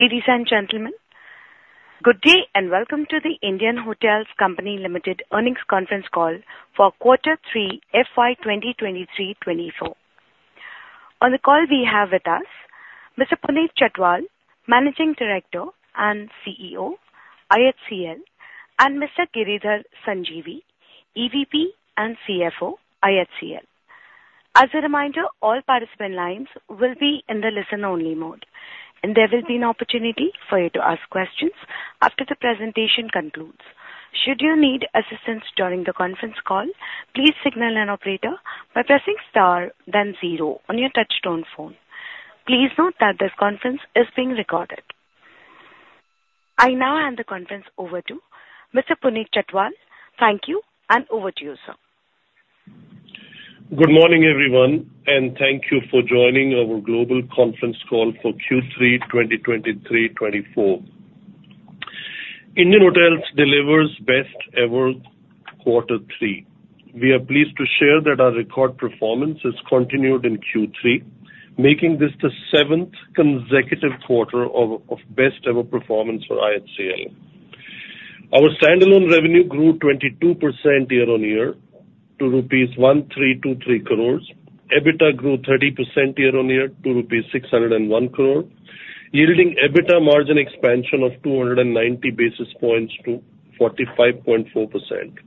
Ladies and gentlemen, good day, and welcome to the Indian Hotels Company Limited earnings conference call for quarter 3, FY 2023–2024. On the call, we have with us Mr. Puneet Chhatwal, Managing Director and CEO, IHCL, and Mr. Giridhar Sanjeevi, EVP and CFO, IHCL. As a reminder, all participant lines will be in the listen-only mode, and there will be an opportunity for you to ask questions after the presentation concludes. Should you need assistance during the conference call, please signal an operator by pressing Star then Zero on your touchtone phone. Please note that this conference is being recorded. I now hand the conference over to Mr. Puneet Chhatwal. Thank you, and over to you, sir. Good morning, everyone, and thank you for joining our global conference call for Q3 2023-24. Indian Hotels delivers best-ever Q3. We are pleased to share that our record performance has continued in Q3, making this the seventh consecutive quarter of best ever performance for IHCL. Our standalone revenue grew 22% year-over-year to rupees 1,323 crore. EBITDA grew 30% year-over-year to rupees 601 crore, yielding EBITDA margin expansion of 290 basis points to 45.4%.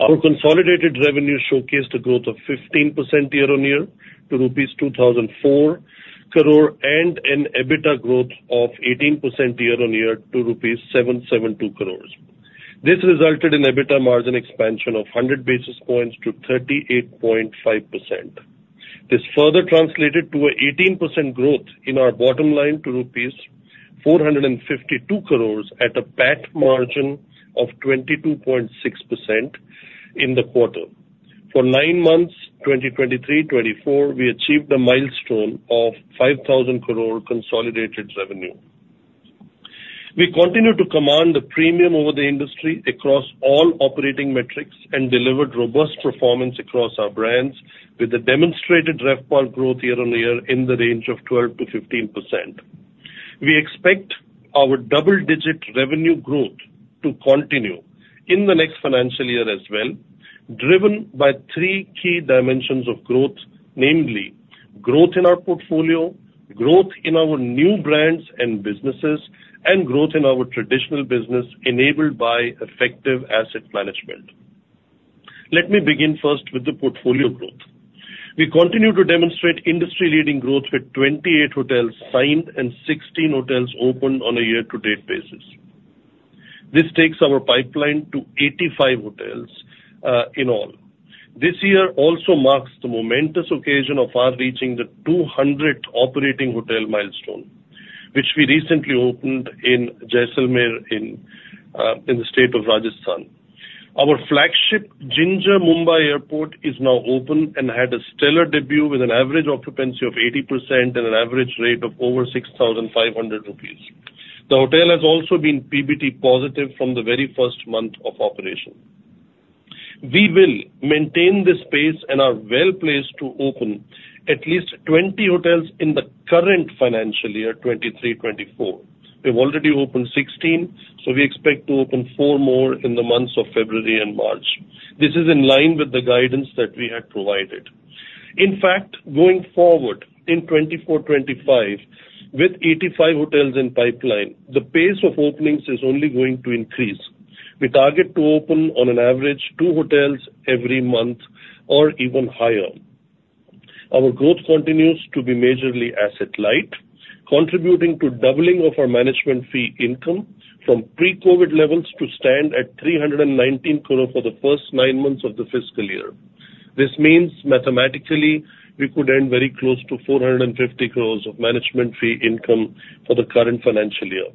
Our consolidated revenue showcased a growth of 15% year-over-year to rupees 2,004 crore and an EBITDA growth of 18% year-over-year to rupees 772 crore. This resulted in EBITDA margin expansion of 100 basis points to 38.5%. This further translated to an 18% growth in our bottom line to rupees 452 crore at a PAT margin of 22.6% in the quarter. For nine months, 2023–2024, we achieved a milestone of 5,000 crore consolidated revenue. We continue to command a premium over the industry across all operating metrics and delivered robust performance across our brands with a demonstrated RevPAR growth year-on-year in the range of 12%–15%. We expect our double-digit revenue growth to continue in the next financial year as well, driven by three key dimensions of growth, namely: growth in our portfolio, growth in our new brands and businesses, and growth in our traditional business, enabled by effective asset management. Let me begin first with the portfolio growth. We continue to demonstrate industry-leading growth with 28 hotels signed and 16 hotels opened on a year-to-date basis. This takes our pipeline to 85 hotels in all. This year also marks the momentous occasion of our reaching the 200 operating hotel milestone, which we recently opened in Jaisalmer in the state of Rajasthan. Our flagship Ginger Mumbai Airport is now open and had a stellar debut with an average occupancy of 80% and an average rate of over 6,500 rupees. The hotel has also been PBT positive from the very first month of operation. We will maintain this pace and are well placed to open at least 20 hotels in the current financial year, 2023-2024. We've already opened 16, so we expect to open 4 more in the months of February and March. This is in line with the guidance that we had provided. In fact, going forward, in 2024, 2025, with 85 hotels in pipeline, the pace of openings is only going to increase. We target to open on an average 2 hotels every month or even higher. Our growth continues to be majorly asset-light, contributing to doubling of our management fee income from pre-COVID levels to stand at 319 crore for the first nine months of the fiscal year. This means mathematically, we could end very close to 450 crore of management fee income for the current financial year.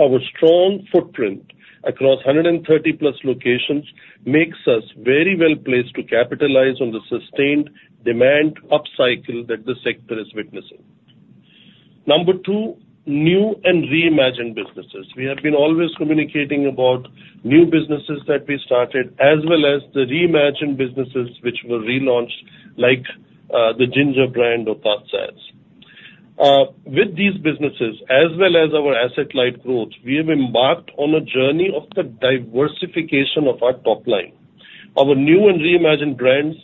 Our strong footprint across 130+ locations makes us very well placed to capitalize on the sustained demand upcycle that the sector is witnessing. Number two, new and reimagined businesses. We have been always communicating about new businesses that we started, as well as the reimagined businesses which were relaunched, like, the Ginger brand or TajSATS. With these businesses, as well as our asset-light growth, we have embarked on a journey of the diversification of our top line. Our new and reimagined brands,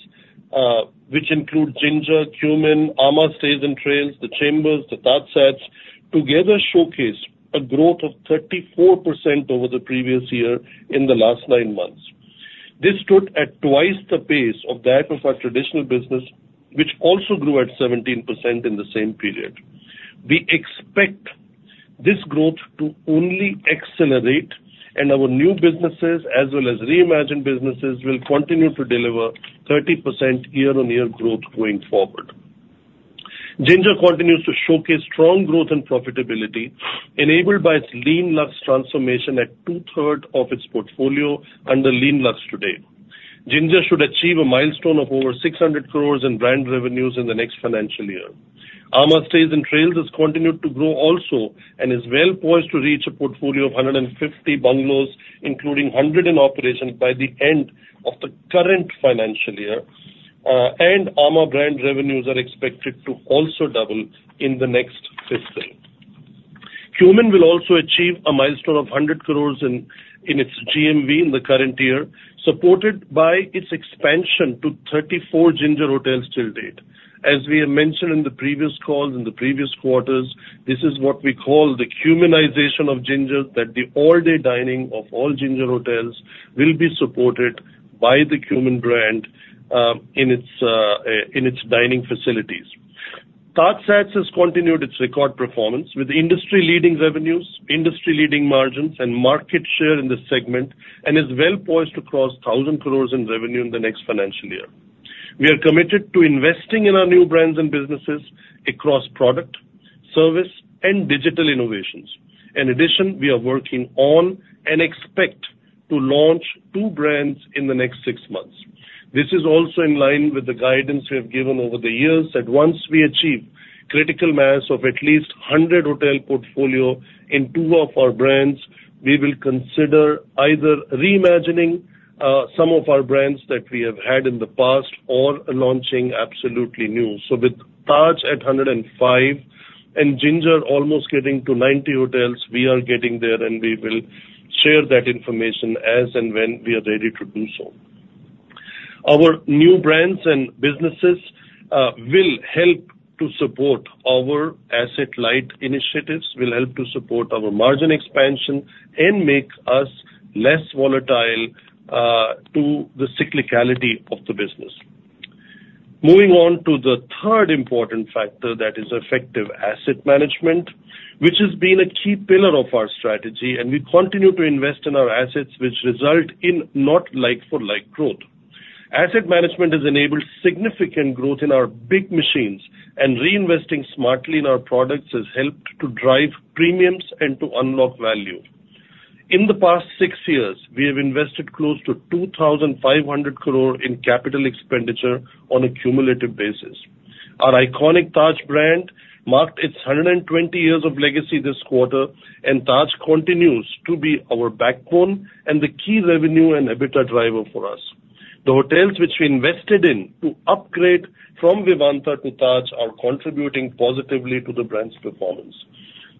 which include Ginger, Qmin, amã Stays & Trails, The Chambers, the TajSATS, together showcase a growth of 34% over the previous year in the last nine months. This stood at twice the pace of that of our traditional business, which also grew at 17% in the same period. We expect this growth to only accelerate, and our new businesses, as well as reimagined businesses, will continue to deliver 30% year-on-year growth going forward. Ginger continues to showcase strong growth and profitability enabled by its Lean Luxe transformation at two-thirds of its portfolio under Lean Luxe today. Ginger should achieve a milestone of over 600 crore in brand revenues in the next financial year. amã Stays & Trails has continued to grow also and is well poised to reach a portfolio of 150 bungalows, including 100 in operation, by the end of the current financial year, and amã brand revenues are expected to also double in the next fiscal. Qmin will also achieve a milestone of 100 crore in its GMV in the current year, supported by its expansion to 34 Ginger hotels till date. As we have mentioned in the previous calls, in the previous quarters, this is what we call the Qminization of Ginger, that the all-day dining of all Ginger hotels will be supported by the Qmin brand, in its dining facilities. TajSATS has continued its record performance with industry-leading revenues, industry-leading margins, and market share in this segment, and is well poised to cross 1,000 crore in revenue in the next financial year. We are committed to investing in our new brands and businesses across product, service, and digital innovations. In addition, we are working on and expect to launch two brands in the next six months. This is also in line with the guidance we have given over the years, that once we achieve critical mass of at least 100 hotel portfolio in two of our brands, we will consider either reimagining some of our brands that we have had in the past or launching absolutely new. So with Taj at 105 and Ginger almost getting to 90 hotels, we are getting there, and we will share that information as and when we are ready to do so. Our new brands and businesses will help to support our asset-light initiatives, will help to support our margin expansion, and make us less volatile to the cyclicality of the business. Moving on to the third important factor, that is effective asset management, which has been a key pillar of our strategy, and we continue to invest in our assets, which result in not like-for-like growth. Asset management has enabled significant growth in our big machines, and reinvesting smartly in our products has helped to drive premiums and to unlock value. In the past six years, we have invested close to 2,500 crore in capital expenditure on a cumulative basis. Our iconic Taj brand marked its 120 years of legacy this quarter, and Taj continues to be our backbone and the key revenue and EBITDA driver for us. The hotels which we invested in to upgrade from Vivanta to Taj are contributing positively to the brand's performance.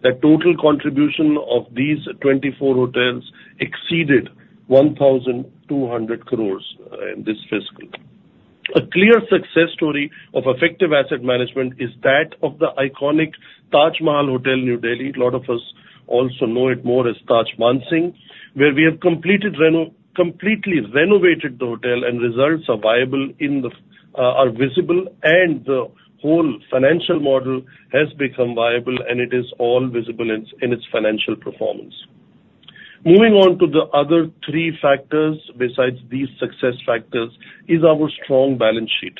The total contribution of these 24 hotels exceeded 1,200 crores in this fiscal. A clear success story of effective asset management is that of the iconic Taj Mahal Hotel, New Delhi. A lot of us also know it more as Taj Mansingh, where we have completed completely renovated the hotel and results are viable in the, are visible, and the whole financial model has become viable, and it is all visible in its, in its financial performance. Moving on to the other three factors besides these success factors, is our strong balance sheet.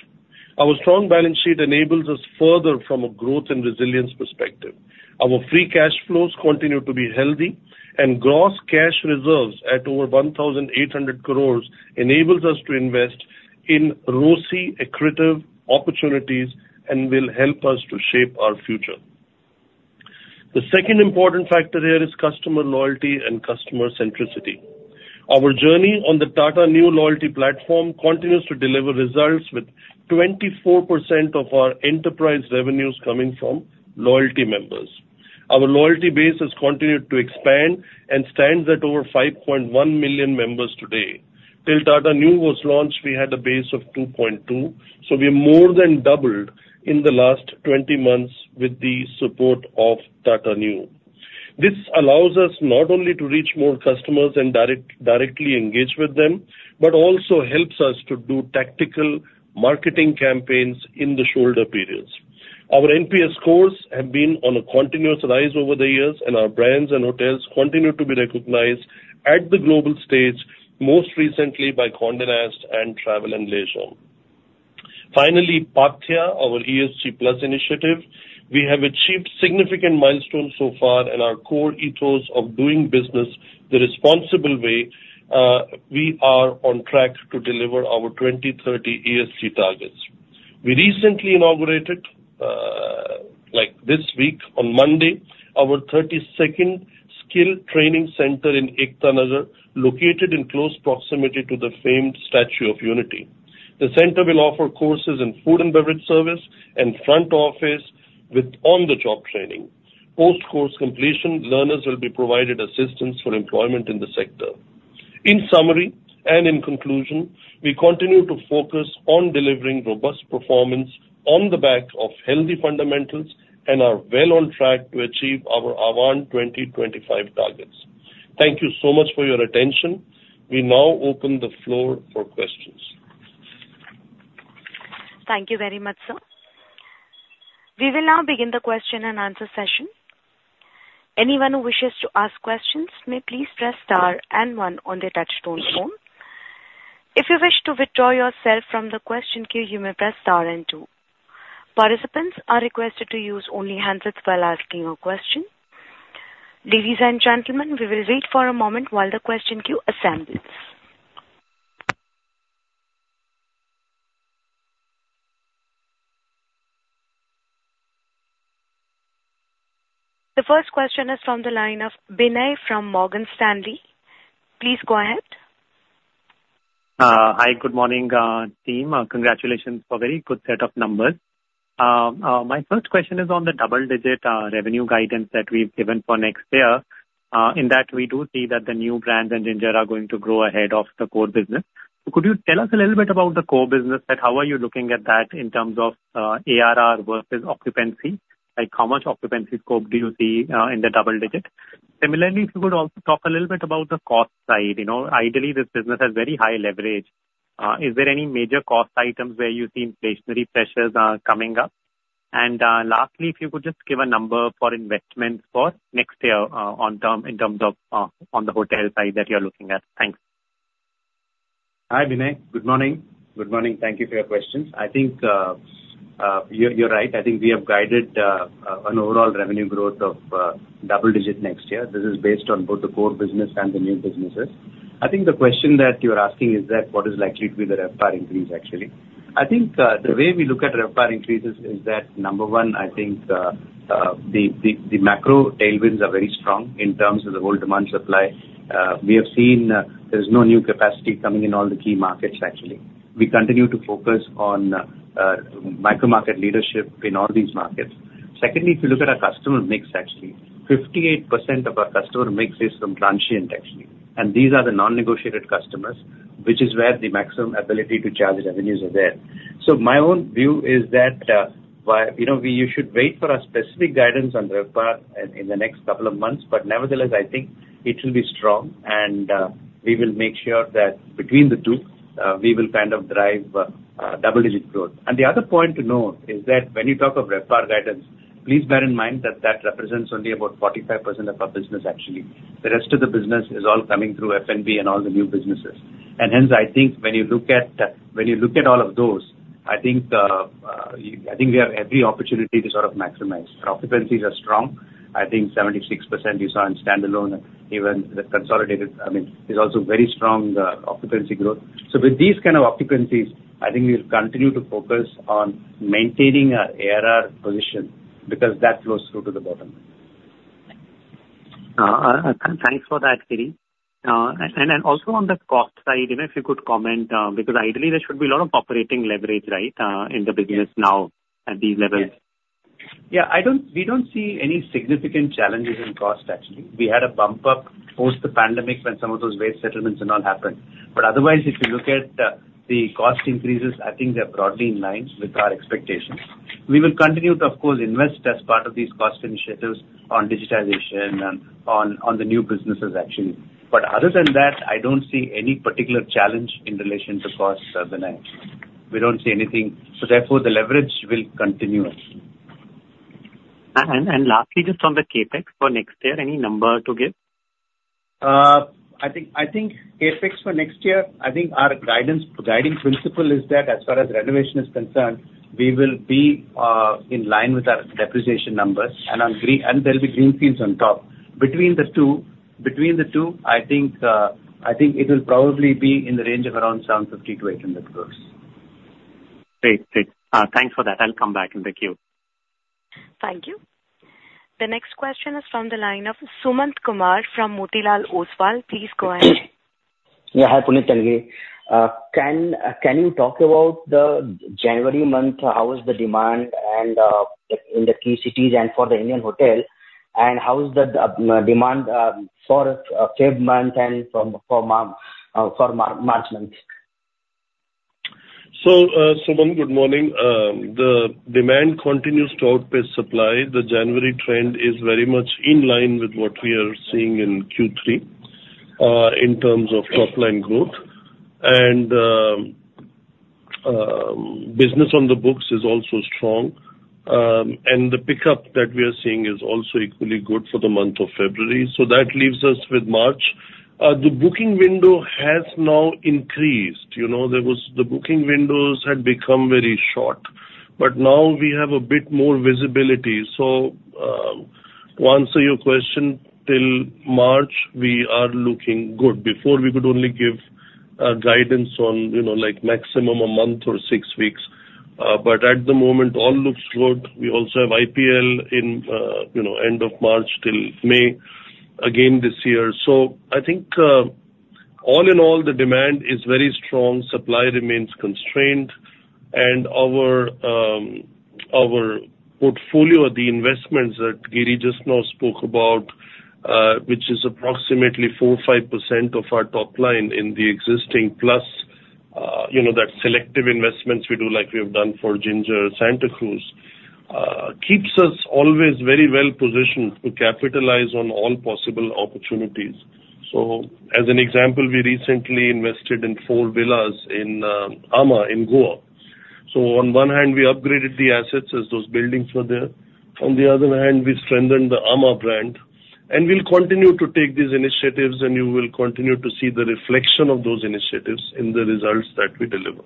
Our strong balance sheet enables us further from a growth and resilience perspective. Our free cash flows continue to be healthy, and gross cash reserves at over 1,800 crore enables us to invest in RoCE accretive opportunities and will help us to shape our future. The second important factor here is customer loyalty and customer centricity. Our journey on the Tata Neu loyalty platform continues to deliver results, with 24% of our enterprise revenues coming from loyalty members. Our loyalty base has continued to expand and stands at over 5.1 million members today. Till Tata Neu was launched, we had a base of 2.2, so we more than doubled in the last 20 months with the support of Tata Neu. This allows us not only to reach more customers and direct, directly engage with them, but also helps us to do tactical marketing campaigns in the shoulder periods. Our NPS scores have been on a continuous rise over the years, and our brands and hotels continue to be recognized at the global stage, most recently by Condé Nast and Travel and Leisure. Finally, Paathya, our ESG plus initiative. We have achieved significant milestones so far in our core ethos of doing business the responsible way. We are on track to deliver our 2030 ESG targets. We recently inaugurated, like this week, on Monday, our 32nd Skill Training Center in Ekta Nagar, located in close proximity to the famed Statue of Unity. The center will offer courses in food and beverage service and front office with on-the-job training. Post-course completion, learners will be provided assistance for employment in the sector. In summary and in conclusion, we continue to focus on delivering robust performance on the back of healthy fundamentals and are well on track to achieve our Ahvaan 2025 targets. Thank you so much for your attention. We now open the floor for questions. Thank you very much, sir. We will now begin the question and answer session. Anyone who wishes to ask questions may please press star and one on their touchtone phone. If you wish to withdraw yourself from the question queue, you may press star and two. Participants are requested to use only handsets while asking a question. Ladies and gentlemen, we will wait for a moment while the question queue assembles... The first question is from the line of Binay from Morgan Stanley. Please go ahead. Hi, good morning, team. Congratulations for very good set of numbers. My first question is on the double-digit revenue guidance that we've given for next year. In that, we do see that the new brands and Ginger are going to grow ahead of the core business. Could you tell us a little bit about the core business, and how are you looking at that in terms of ARR versus occupancy? Like, how much occupancy scope do you see in the double digit? Similarly, if you could also talk a little bit about the cost side. You know, ideally, this business has very high leverage. Is there any major cost items where you see inflationary pressures coming up? Lastly, if you could just give a number for investments for next year, in terms of on the hotel side that you're looking at? Thanks. Hi, Binay. Good morning, good morning. Thank you for your questions. I think, you're right. I think we have guided an overall revenue growth of double-digit next year. This is based on both the core business and the new businesses. I think the question that you're asking is that what is likely to be the RevPAR increase, actually. I think the way we look at RevPAR increases is that, number one, I think the macro tailwinds are very strong in terms of the whole demand supply. We have seen, there's no new capacity coming in all the key markets actually. We continue to focus on micromarket leadership in all these markets. Secondly, if you look at our customer mix, actually 58% of our customer mix is from transient, actually, and these are the non-negotiated customers, which is where the maximum ability to charge revenues are there. So my own view is that, you know, you should wait for a specific guidance on RevPAR in the next couple of months, but nevertheless, I think it will be strong. And we will make sure that between the two, we will kind of drive double-digit growth. And the other point to note is that when you talk of RevPAR guidance, please bear in mind that that represents only about 45% of our business, actually. The rest of the business is all coming through F&B and all the new businesses. Hence, I think when you look at, when you look at all of those, I think, I think we have every opportunity to sort of maximize. Our occupancies are strong. I think 76% is on standalone, even the consolidated, I mean, is also very strong, occupancy growth. So with these kind of occupancies, I think we'll continue to focus on maintaining our ARR position, because that flows through to the bottom. Thanks for that, Giri. Also on the cost side, you know, if you could comment, because ideally there should be a lot of operating leverage, right, in the business now at these levels. Yeah. We don't see any significant challenges in cost, actually. We had a bump up post the pandemic when some of those wage settlements and all happened. But otherwise, if you look at the cost increases, I think they're broadly in line with our expectations. We will continue to, of course, invest as part of these cost initiatives on digitization and on the new businesses, actually. But other than that, I don't see any particular challenge in relation to cost, Binay. We don't see anything, so therefore, the leverage will continue. Lastly, just on the CapEx for next year, any number to give? I think CapEx for next year, I think our guidance, guiding principle is that as far as renovation is concerned, we will be in line with our depreciation numbers, and on greenfield and there'll be greenfields on top. Between the two, I think it will probably be in the range of around 750–800 gross. Great. Great. Thanks for that. I'll come back in the queue. Thank you. The next question is from the line of Sumant Kumar from Motilal Oswal. Please go ahead. Yeah, hi, Puneet Chhatwal. Can you talk about the January month? How is the demand and in the key cities and for the Indian Hotels, and how is demand for February month and for March month? So, Sumant, good morning. The demand continues to outpace supply. The January trend is very much in line with what we are seeing in Q3 in terms of top line growth. Business on the books is also strong, and the pickup that we are seeing is also equally good for the month of February. So that leaves us with March. The booking window has now increased. You know, the booking windows had become very short, but now we have a bit more visibility. So, to answer your question, till March, we are looking good. Before, we could only give guidance on, you know, like maximum a month or six weeks. But at the moment, all looks good. We also have IPL in, you know, end of March till May again this year. So I think, all in all, the demand is very strong, supply remains constrained, and our, our portfolio, the investments that Giri just now spoke about, which is approximately 4%–5% of our top line in the existing plus, you know, that selective investments we do, like we have done for Ginger Santa Cruz, keeps us always very well positioned to capitalize on all possible opportunities. So, as an example, we recently invested in 4 villas in, amã in Goa. So on one hand, we upgraded the assets as those buildings were there. On the other hand, we strengthened the amã brand, and we'll continue to take these initiatives, and you will continue to see the reflection of those initiatives in the results that we deliver.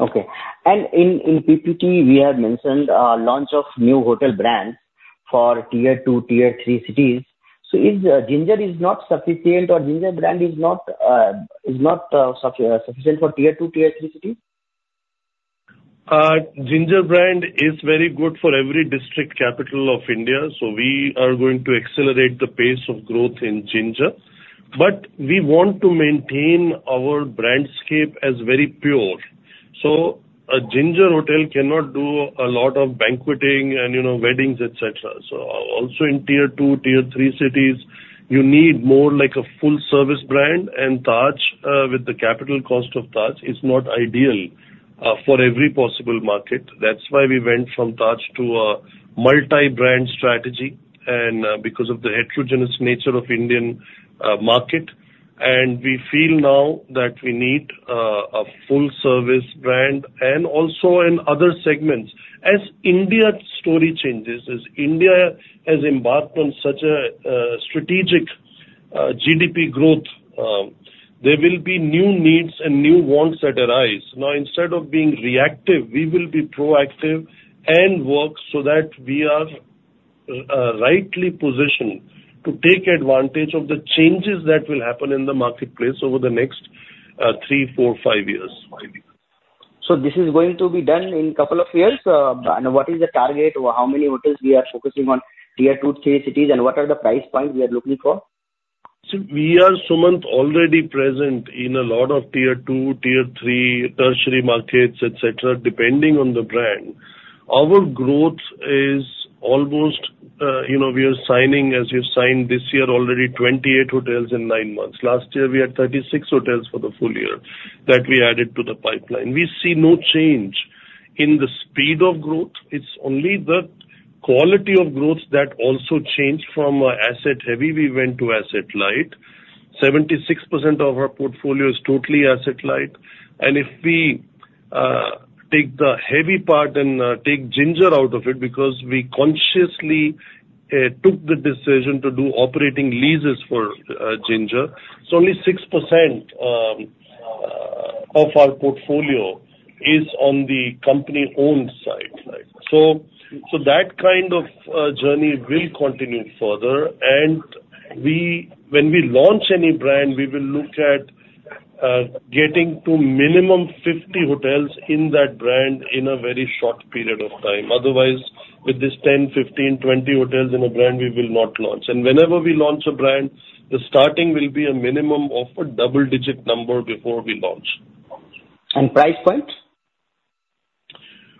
Okay. And in PPT, we have mentioned launch of new hotel brands for Tier Two, Tier Three cities. So is Ginger is not sufficient, or Ginger brand is not is not sufficient for Tier Two, Tier Three cities?... Ginger brand is very good for every district capital of India, so we are going to accelerate the pace of growth in Ginger. But we want to maintain our brandscape as very pure. So a Ginger hotel cannot do a lot of banqueting and, you know, weddings, et cetera. So also in tier two, tier three cities, you need more like a full-service brand, and Taj, with the capital cost of Taj, is not ideal for every possible market. That's why we went from Taj to a multi-brand strategy and because of the heterogeneous nature of Indian market. And we feel now that we need a full-service brand and also in other segments. As India's story changes, as India has embarked on such a strategic GDP growth, there will be new needs and new wants that arise. Now, instead of being reactive, we will be proactive and work so that we are rightly positioned to take advantage of the changes that will happen in the marketplace over the next three, four, five years, maybe. This is going to be done in couple of years? What is the target, or how many hotels we are focusing on tier two, tier three cities, and what are the price points we are looking for? So we are, Sumant, already present in a lot of tier two, tier three, tertiary markets, et cetera, depending on the brand. Our growth is almost, you know, we are signing, as we've signed this year already, 28 hotels in nine months. Last year, we had 36 hotels for the full year that we added to the pipeline. We see no change in the speed of growth. It's only the quality of growth that also changed from asset-heavy we went to asset-light. 76% of our portfolio is totally asset-light, and if we take the heavy part and take Ginger out of it, because we consciously took the decision to do operating leases for Ginger, so only 6% of our portfolio is on the company-owned side. So that kind of journey will continue further. When we launch any brand, we will look at getting to a minimum of 50 hotels in that brand in a very short period of time. Otherwise, with 10, 15, 20 hotels in a brand, we will not launch. And whenever we launch a brand, the starting will be a minimum of a double-digit number before we launch. Price point?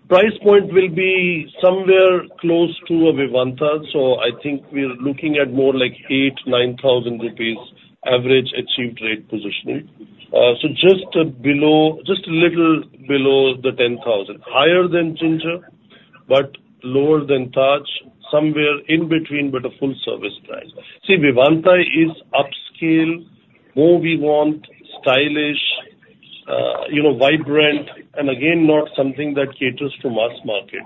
Price point will be somewhere close to a Vivanta, so I think we're looking at more like 8,000-9,000 rupees average achieved rate positioning. So just below, just a little below the 10,000. Higher than Ginger, but lower than Taj. Somewhere in between, but a full-service price. See, Vivanta is upscale, more we want, stylish, you know, vibrant, and again, not something that caters to mass market.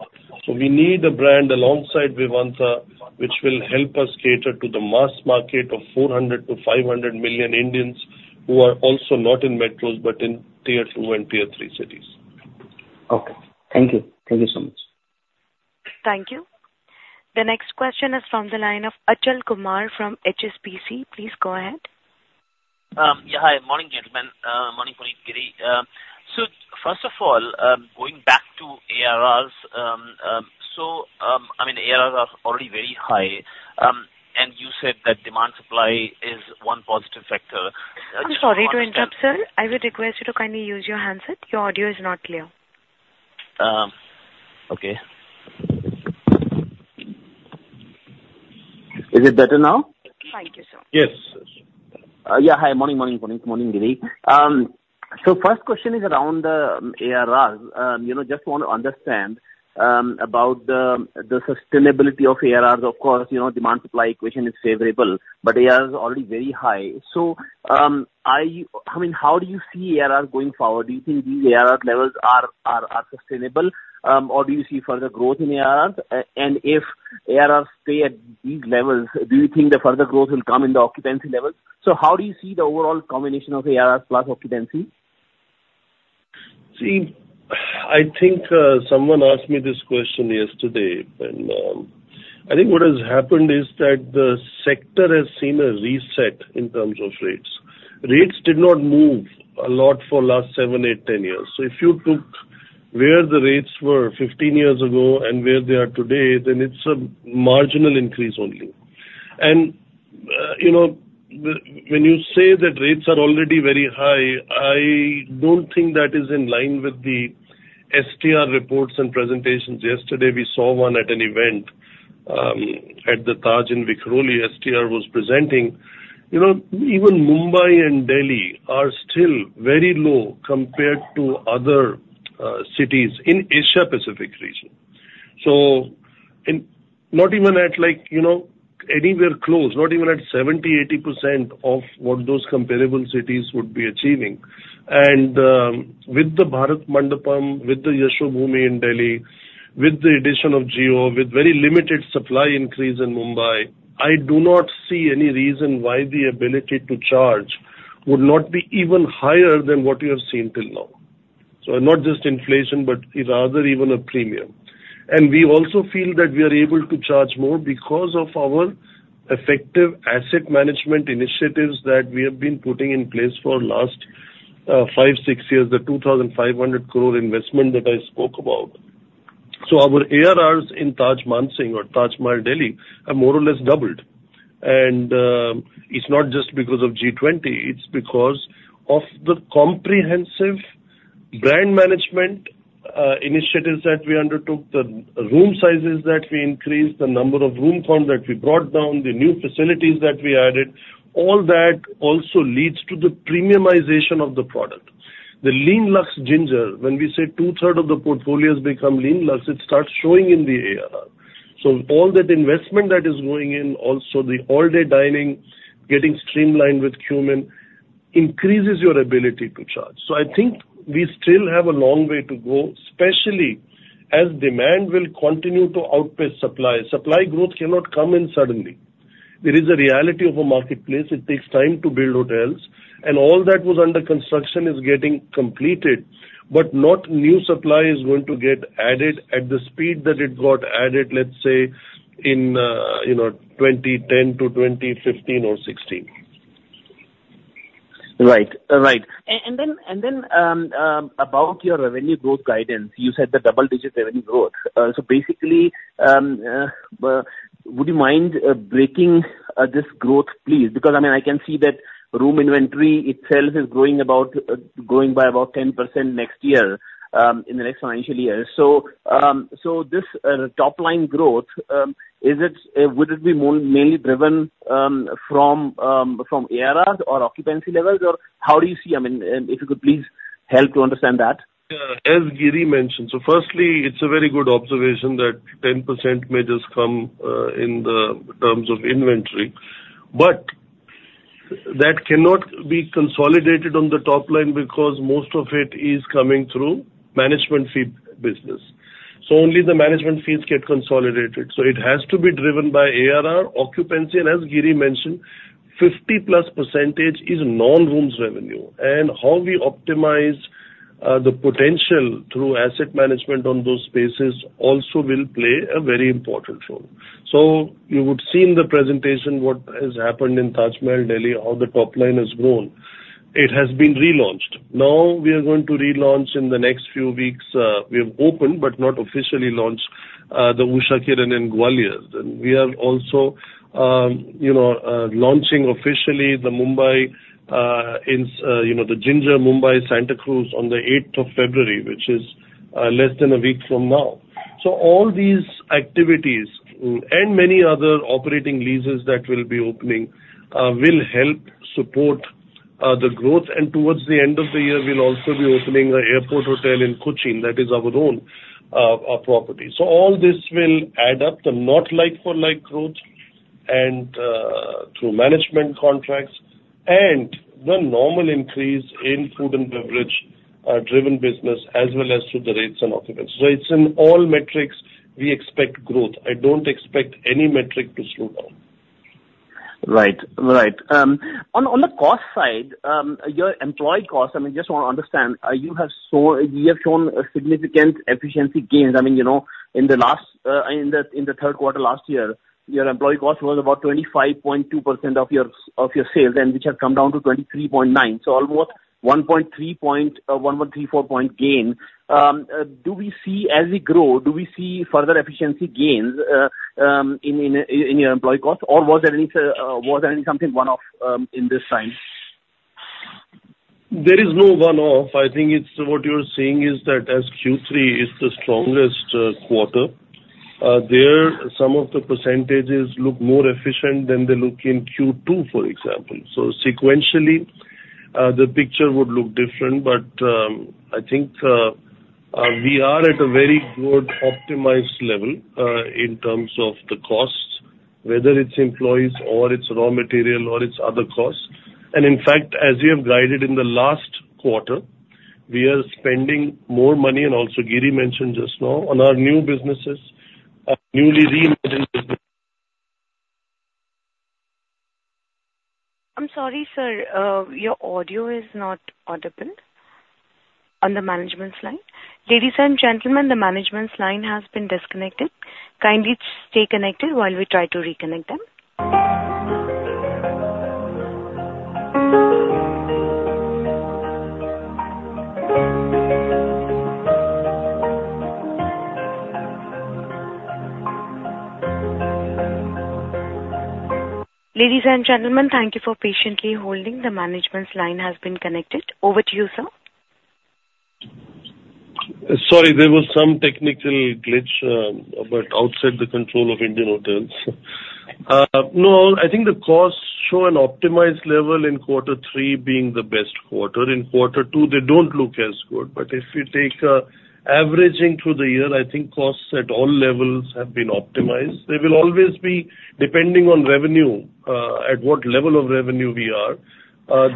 So we need a brand alongside Vivanta, which will help us cater to the mass market of 400-500 million Indians who are also not in metros, but in tier two and tier three cities. Okay. Thank you. Thank you so much. Thank you. The next question is from the line of Achal Kumar from HSBC. Please go ahead. Yeah, hi. Morning, gentlemen. Morning, Puneet Chhatwal. So first of all, going back to ARRs, so, I mean, ARRs are already very high, and you said that demand-supply is one positive factor- I'm sorry to interrupt, sir. I would request you to kindly use your handset. Your audio is not clear. Okay. Is it better now? Thank you, sir. Yes. Yeah. Hi. Morning, morning, Puneet. Morning, Giri. So first question is around the ARRs. You know, just want to understand about the sustainability of ARRs. Of course, you know, demand-supply equation is favorable, but ARR is already very high. So, I mean, how do you see ARRs going forward? Do you think these ARR levels are sustainable, or do you see further growth in ARRs? And if ARRs stay at these levels, do you think the further growth will come in the occupancy levels? So how do you see the overall combination of ARRs plus occupancy? See, I think someone asked me this question yesterday, and I think what has happened is that the sector has seen a reset in terms of rates. Rates did not move a lot for last 7, 8, 10 years. So if you took where the rates were 15 years ago and where they are today, then it's a marginal increase only. And you know, when you say that rates are already very high, I don't think that is in line with the STR reports and presentations. Yesterday, we saw one at an event at the Taj in Vikhroli, STR was presenting. You know, even Mumbai and Delhi are still very low compared to other cities in Asia-Pacific region. So, and not even at like, you know, anywhere close, not even at 70%-80% of what those comparable cities would be achieving. With the Bharat Mandapam, with the Yashobhoomi in Delhi, with the addition of Jio, with very limited supply increase in Mumbai, I do not see any reason why the ability to charge would not be even higher than what you have seen till now. So not just inflation, but rather even a premium. And we also feel that we are able to charge more because of our effective asset management initiatives that we have been putting in place for last 5, 6 years, the 2,500 crore investment that I spoke about. So our ARRs in Taj Mansingh or Taj Mahal, Delhi, have more or less doubled. It's not just because of G20, it's because of the comprehensive brand management initiatives that we undertook, the room sizes that we increased, the number of room count that we brought down, the new facilities that we added, all that also leads to the premiumization of the product. The Lean Luxe Ginger, when we say two-thirds of the portfolio has become Lean Luxe, it starts showing in the ARR. So all that investment that is going in, also the all-day dining, getting streamlined with Qmin, increases your ability to charge. So I think we still have a long way to go, especially as demand will continue to outpace supply. Supply growth cannot come in suddenly. There is a reality of a marketplace. It takes time to build hotels, and all that was under construction is getting completed, but not new supply is going to get added at the speed that it got added, let's say, in, you know, 2010–2015 or 2016. Right. And then, about your revenue growth guidance, you said the double-digit revenue growth. So basically, would you mind breaking this growth, please? Because, I mean, I can see that room inventory itself is growing by about 10% next year, in the next financial year. So, this top line growth, would it be more mainly driven from ARRs or occupancy levels, or how do you see? I mean, if you could please help to understand that. Yeah, as Giri mentioned, so firstly, it's a very good observation that 10% may just come in the terms of inventory. But that cannot be consolidated on the top line because most of it is coming through management fee business. So only the management fees get consolidated. So it has to be driven by ARR, occupancy, and as Giri mentioned, 50%+ is non-rooms revenue. And how we optimize the potential through asset management on those spaces also will play a very important role. So you would see in the presentation what has happened in Taj Mahal Delhi, how the top line has grown. It has been relaunched. Now we are going to relaunch in the next few weeks, we have opened, but not officially launched, the Usha Kiran in Gwalior. We are also, you know, launching officially the Ginger Mumbai, Santa Cruz on the eighth of February, which is less than a week from now. So all these activities and many other operating leases that will be opening will help support the growth. And towards the end of the year, we'll also be opening an airport hotel in Cochin. That is our own property. So all this will add up to not like for like growth and through management contracts and the normal increase in food and beverage driven business as well as through the rates and occupancy. So it's in all metrics, we expect growth. I don't expect any metric to slow down. Right. Right. On the cost side, your employee costs, I mean, just want to understand, you have so—you have shown a significant efficiency gains. I mean, you know, in the last, in the third quarter last year, your employee cost was about 25.2% of your sales, and which has come down to 23.9. So almost 1.3 point gain. Do we see—as we grow, do we see further efficiency gains in your employee costs, or was there any, was there anything one-off in this time? There is no one-off. I think it's what you're saying is that as Q3 is the strongest quarter, there, some of the percentages look more efficient than they look in Q2, for example. So sequentially, the picture would look different, but, I think, we are at a very good optimized level, in terms of the costs, whether it's employees or it's raw material or it's other costs. And in fact, as we have guided in the last quarter, we are spending more money, and also Giri mentioned just now, on our new businesses, newly reimagined business- I'm sorry, sir, your audio is not audible on the management's line. Ladies and gentlemen, the management's line has been disconnected. Kindly stay connected while we try to reconnect them. Ladies and gentlemen, thank you for patiently holding. The management's line has been connected. Over to you, sir. Sorry, there was some technical glitch, but outside the control of Indian Hotels. No, I think the costs show an optimized level in quarter three being the best quarter. In quarter two, they don't look as good. But if you take an averaging through the year, I think costs at all levels have been optimized. They will always be depending on revenue, at what level of revenue we are.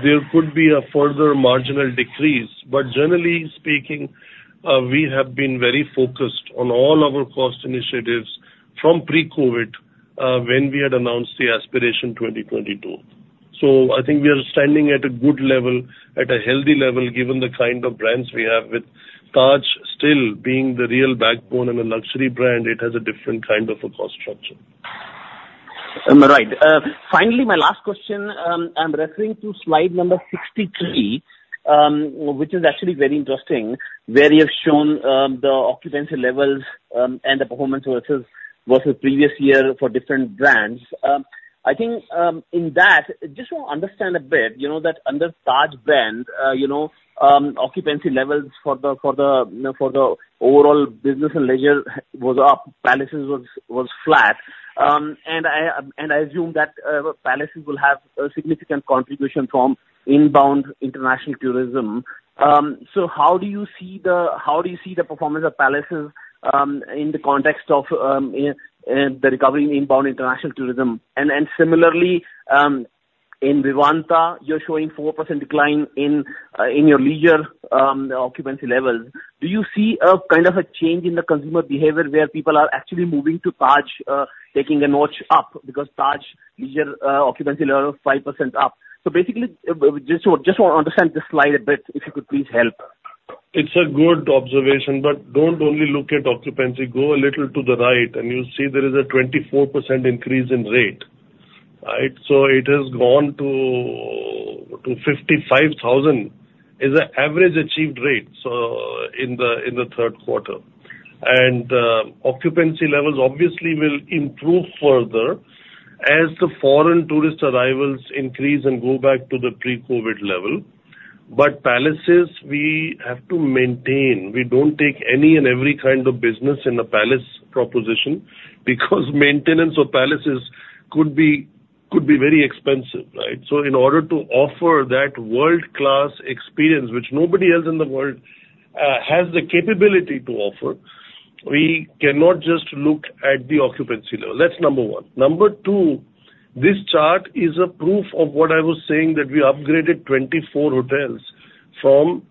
There could be a further marginal decrease, but generally speaking, we have been very focused on all our cost initiatives from pre-COVID, when we had announced the Aspiration 2022. So I think we are standing at a good level, at a healthy level, given the kind of brands we have, with Taj still being the real backbone and a luxury brand, it has a different kind of a cost structure. Right. Finally, my last question, I'm referring to slide number 63, which is actually very interesting, where you have shown the occupancy levels and the performance versus previous year for different brands. I think in that, just want to understand a bit, you know, that under Taj brand, you know, occupancy levels for the overall business and leisure was up, Palaces was flat. And I assume that Palaces will have a significant contribution from inbound international tourism. So how do you see the performance of Palaces in the context of the recovery in inbound international tourism? And similarly, in Vivanta, you're showing 4% decline in your leisure occupancy levels. Do you see a kind of a change in the consumer behavior, where people are actually moving to Taj, taking a notch up? Because Taj leisure occupancy level is 5% up. So basically, just want, just want to understand this slide a bit. If you could please help. It's a good observation, but don't only look at occupancy. Go a little to the right, and you'll see there is a 24% increase in rate, right? So it has gone to 55,000, is the average achieved rate, so in the third quarter. And, occupancy levels obviously will improve further as the foreign tourist arrivals increase and go back to the pre-COVID level. But Palaces, we have to maintain. We don't take any and every kind of business in a palace proposition, because maintenance of Palaces could be very expensive, right? So in order to offer that world-class experience, which nobody else in the world has the capability to offer, we cannot just look at the occupancy level. That's number one. Number 2, this chart is a proof of what I was saying, that we upgraded 24 hotels from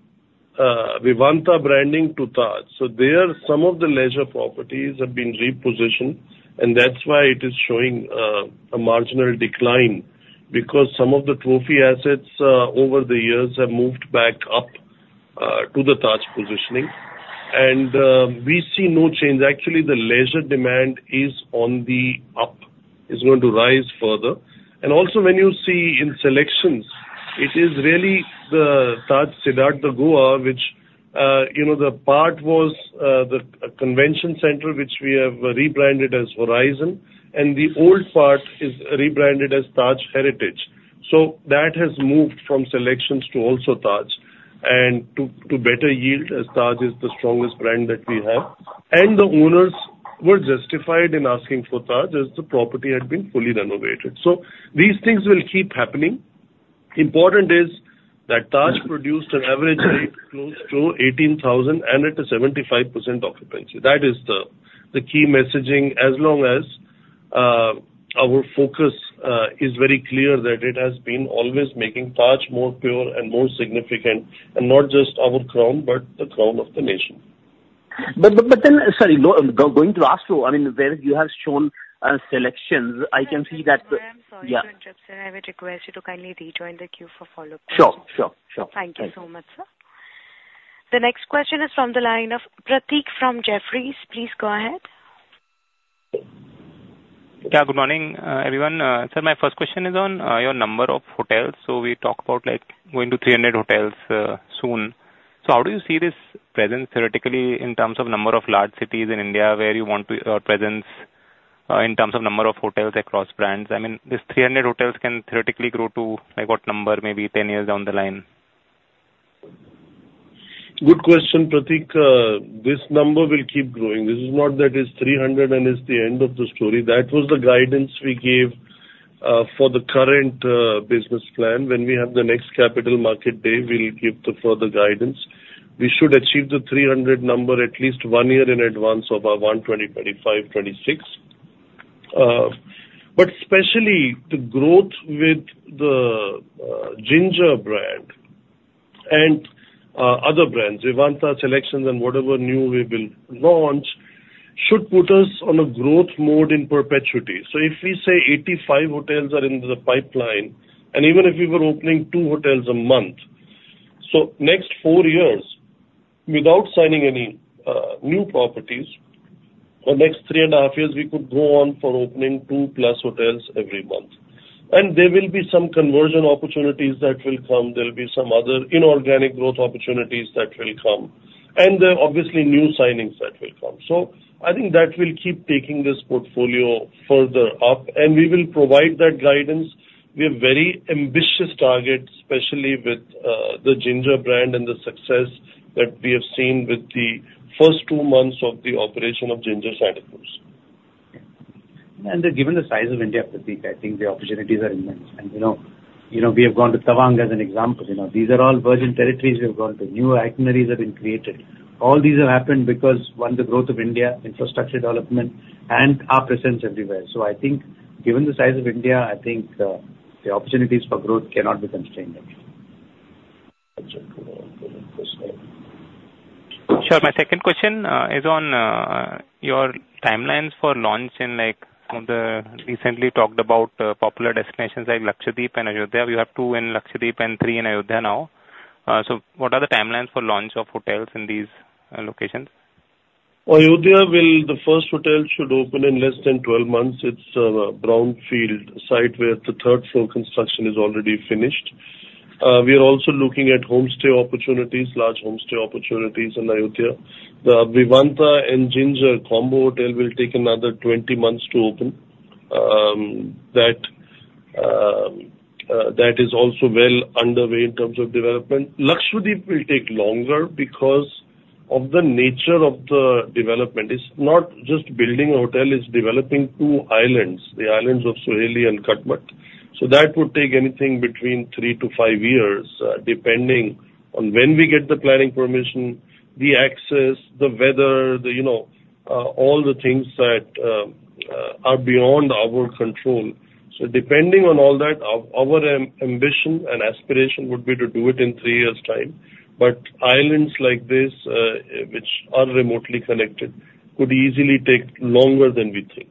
Vivanta branding to Taj. So there, some of the leisure properties have been repositioned, and that's why it is showing a marginal decline, because some of the trophy assets over the years have moved back up to the Taj positioning. We see no change. Actually, the leisure demand is on the up. It's going to rise further. And also when you see in SeleQtions, it is really the Taj Ciudad Goa, which you know, the part was the convention center, which we have rebranded as Horizon, and the old part is rebranded as Taj Heritage. So that has moved from SeleQtions to also Taj, and to better yield, as Taj is the strongest brand that we have. The owners were justified in asking for Taj, as the property had been fully renovated. So these things will keep happening. Important is that Taj produced an average rate close to 18,000, and at a 75% occupancy. That is the key messaging, as long as our focus is very clear that it has been always making Taj more pure and more significant, and not just our crown, but the crown of the nation. But then, sorry, going to ask you, I mean, where you have shown SeleQtions, I can see that- I am sorry to interrupt, sir. I would request you to kindly rejoin the queue for follow-up questions. Sure, sure, sure. Thank you so much, sir. The next question is from the line of Prateek from Jefferies. Please go ahead. Yeah, good morning, everyone. So my first question is on your number of hotels. So we talked about, like, going to 300 hotels, soon. So how do you see this presence theoretically in terms of number of large cities in India where you want your presence, in terms of number of hotels across brands? I mean, these 300 hotels can theoretically grow to, like, what number, maybe 10 years down the line? Good question, Prateek. This number will keep growing. This is not that it's 300, and it's the end of the story. That was the guidance we gave for the current business plan. When we have the next capital market day, we'll give the further guidance. We should achieve the 300 number at least one year in advance of our 2025-26. But especially the growth with the Ginger brand and other brands, Vivanta, SeleQtions, and whatever new we will launch, should put us on a growth mode in perpetuity. So if we say 85 hotels are in the pipeline, and even if we were opening 2 hotels a month, so next 4 years, without signing any new properties, the next 3.5 years we could go on for opening 2+ hotels every month. There will be some conversion opportunities that will come. There will be some other inorganic growth opportunities that will come, and there are obviously new signings that will come. I think that will keep taking this portfolio further up, and we will provide that guidance. We have very ambitious targets, especially with the Ginger brand and the success that we have seen with the first two months of the operation of Ginger Santa Cruz. Given the size of India, Prateek, I think the opportunities are immense. You know, you know, we have gone to Tawang as an example. You know, these are all virgin territories we have gone to. New itineraries have been created. All these have happened because, one, the growth of India, infrastructure development and our presence everywhere. So I think given the size of India, I think, the opportunities for growth cannot be constrained.... Sure. My second question is on your timelines for launch in like the recently talked about popular destinations like Lakshadweep and Ayodhya. You have two in Lakshadweep and three in Ayodhya now. So what are the timelines for launch of hotels in these locations? Ayodhya will, the first hotel should open in less than 12 months. It's a brownfield site where the third floor construction is already finished. We are also looking at homestay opportunities, large homestay opportunities in Ayodhya. The Vivanta and Ginger combo hotel will take another 20 months to open. That is also well underway in terms of development. Lakshadweep will take longer because of the nature of the development. It's not just building a hotel, it's developing two islands, the islands of Suheli and Kadmat. So that would take anything between 3–5 years, depending on when we get the planning permission, the access, the weather, the, you know, all the things that are beyond our control. So depending on all that, our ambition and aspiration would be to do it in 3 years time. But islands like this, which are remotely connected, could easily take longer than we think.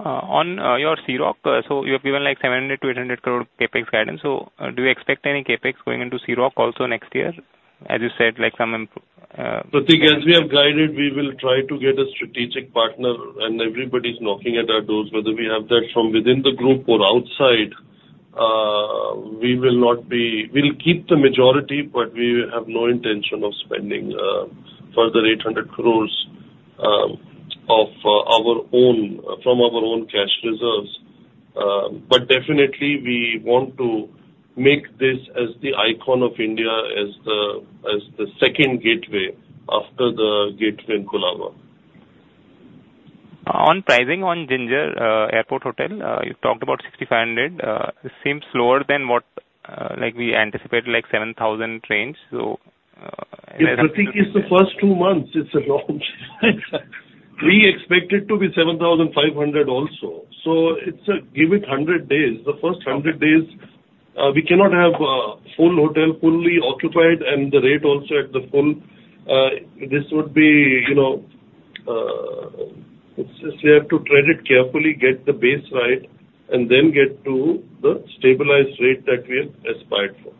On your Sea Rock, so you have given, like, 700-800 crore CapEx guidance. So, do you expect any CapEx going into Sea Rock also next year? As you said, like some improv, Pratik, as we have guided, we will try to get a strategic partner, and everybody's knocking at our doors. Whether we have that from within the group or outside, we will not be... We'll keep the majority, but we have no intention of spending further 800 crore of our own, from our own cash reserves. But definitely we want to make this as the icon of India, as the, as the second gateway after the Gateway in Colaba. On pricing on Ginger Airport Hotel, you talked about 6,500. It seems lower than what, like we anticipated, like 7,000 range. So, Prateek, it's the first two months it's a launch. We expect it to be 7,500 also. So it's a-- give it 100 days. The first 100 days, we cannot have full hotel fully occupied and the rate also at the full. This would be, you know, it's just we have to tread it carefully, get the base right, and then get to the stabilized rate that we have aspired for.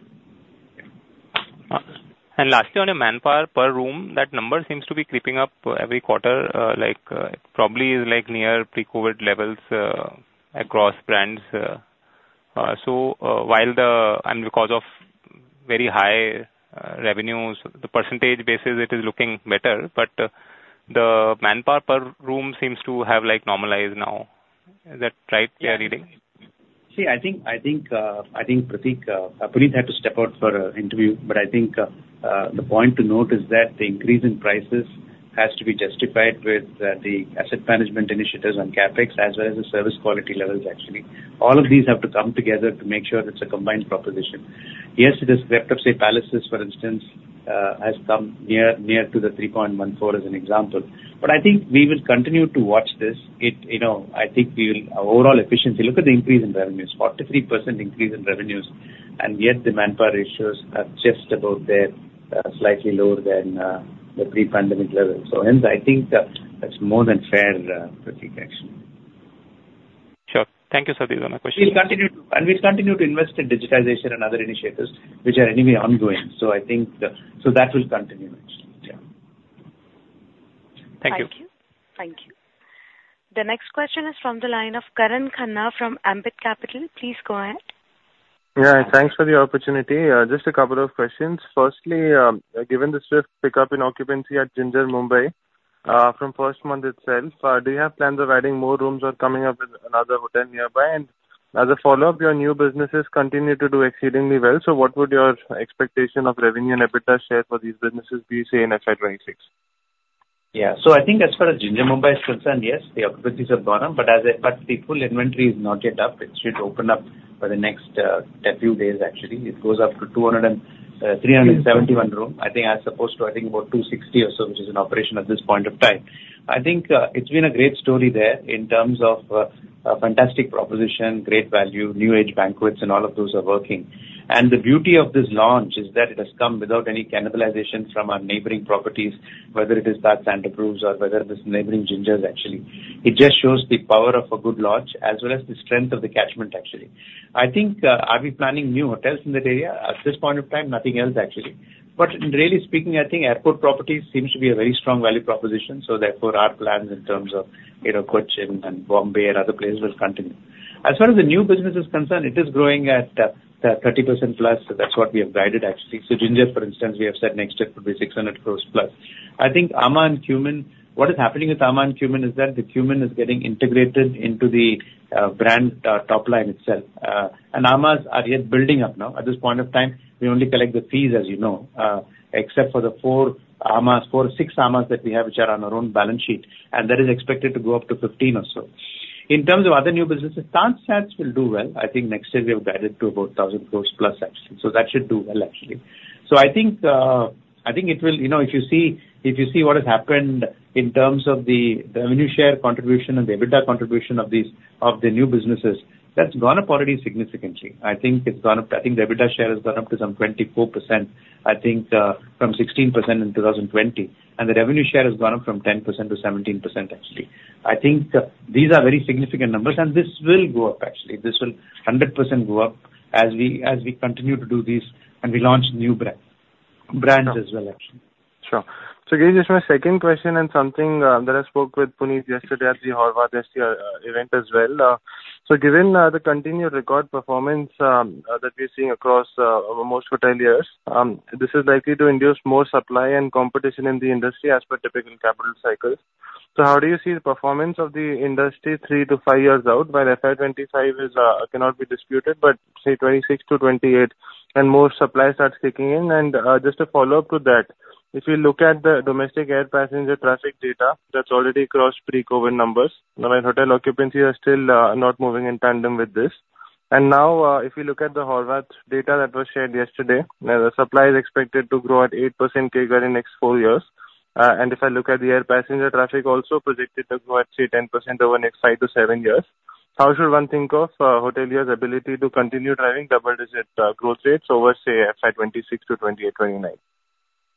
And lastly, on a manpower per room, that number seems to be creeping up every quarter, like, probably is like near pre-COVID levels, across brands. So, while the, and because of very high revenues, the percentage basis, it is looking better, but, the manpower per room seems to have, like, normalized now. Is that right reading? See, I think Prateek, Puneet had to step out for an interview, but I think the point to note is that the increase in prices has to be justified with the asset management initiatives on CapEx, as well as the service quality levels, actually. All of these have to come together to make sure it's a combined proposition. Yes, it is, we have to say palaces, for instance, has come near to the 3.14 as an example. But I think we will continue to watch this. It, you know, I think we will. Our overall efficiency, look at the increase in revenues, 43% increase in revenues, and yet the manpower ratios are just about there, slightly lower than the pre-pandemic level. So hence, I think that, that's more than fair, Prateek, actually. Sure. Thank you, Satya. Those are my questions. We'll continue to invest in digitization and other initiatives which are anyway ongoing. So I think, so that will continue. Yeah. Thank you. Thank you. Thank you. The next question is from the line of Karan Khanna from Ambit Capital. Please go ahead. Yeah, thanks for the opportunity. Just a couple of questions. Firstly, given the swift pickup in occupancy at Ginger Mumbai, do you have plans of adding more rooms or coming up with another hotel nearby? And as a follow-up, your new businesses continue to do exceedingly well, so what would your expectation of revenue and EBITDA share for these businesses be, say, in FY 2026? Yeah. So I think as far as Ginger Mumbai is concerned, yes, the occupancies have gone up, but the full inventory is not yet up. It should open up for the next, a few days, actually. It goes up to 271 rooms. I think as opposed to, I think, about 260 or so, which is in operation at this point of time. I think, it's been a great story there in terms of, a fantastic proposition, great value, new age banquets, and all of those are working. And the beauty of this launch is that it has come without any cannibalization from our neighboring properties, whether it is Taj Santacruz or whether it is neighboring Gingers, actually. It just shows the power of a good launch as well as the strength of the catchment, actually. I think, are we planning new hotels in that area? At this point of time, nothing else, actually. But really speaking, I think airport properties seems to be a very strong value proposition, so therefore our plans in terms of, you know, Cochin and Bombay and other places will continue. As far as the new business is concerned, it is growing at 30%+. So that's what we have guided, actually. So Ginger, for instance, we have said next year could be 600 crores+. I think amã and Qmin, what is happening with amã and Qmin is that the Qmin is getting integrated into the brand top line itself. And amãs are yet building up now. At this point of time, we only collect the fees, as you know, except for the four amã, four, six amã that we have, which are on our own balance sheet, and that is expected to go up to 15 or so. In terms of other new businesses, TajSATS will do well. I think next year we have guided to about 1,000 crore plus, actually. So that should do well, actually. So I think, I think it will... You know, if you see, if you see what has happened in terms of the revenue share contribution and the EBITDA contribution of these of the new businesses, that's gone up already significantly. I think it's gone up, I think the EBITDA share has gone up to some 24%.... I think, from 16% in 2020, and the revenue share has gone up from 10%–17%, actually. I think, these are very significant numbers, and this will go up, actually. This will 100% go up as we, as we continue to do this and we launch new brand, brands as well, actually. Sure. So, Giri, just my second question and something that I spoke with Puneet yesterday at the Horwath yesterday event as well. So given the continued record performance that we're seeing across our most hoteliers, this is likely to induce more supply and competition in the industry as per typical capital cycles. So how do you see the performance of the industry 3-5 years out, where FY 25 is, cannot be disputed, but say 26–28, and more supply starts kicking in? And just a follow-up to that, if you look at the domestic air passenger traffic data, that's already crossed pre-COVID numbers. Now, our hotel occupancy are still not moving in tandem with this. Now, if you look at the Horwath data that was shared yesterday, the supply is expected to grow at 8% CAGR in the next 4 years. And if I look at the air passenger traffic, also predicted to grow at, say, 10% over the next 5–7 years. How should one think of hoteliers' ability to continue driving double-digit growth rates over, say, FY 2026–2028, 2029?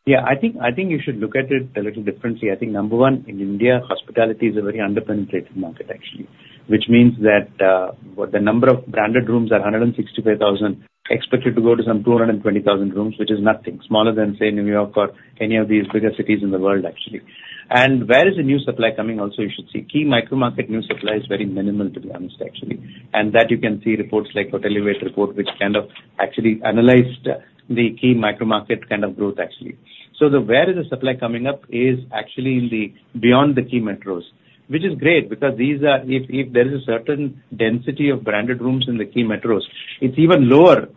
Yeah, I think, I think you should look at it a little differently. I think, number one, in India, hospitality is a very underpenetrated market, actually. Which means that the number of branded rooms are 165,000, expected to go to some 220,000 rooms, which is nothing. Smaller than, say, New York or any of these bigger cities in the world, actually. And where is the new supply coming also, you should see? Key micro-market new supply is very minimal, to be honest, actually. And that you can see reports like Hotelivate report, which kind of actually analyzed the key micro-market kind of growth, actually. So the where is the supply coming up is actually in the beyond the key metros, which is great, because these are if there is a certain density of branded rooms in the key metros, it's even lower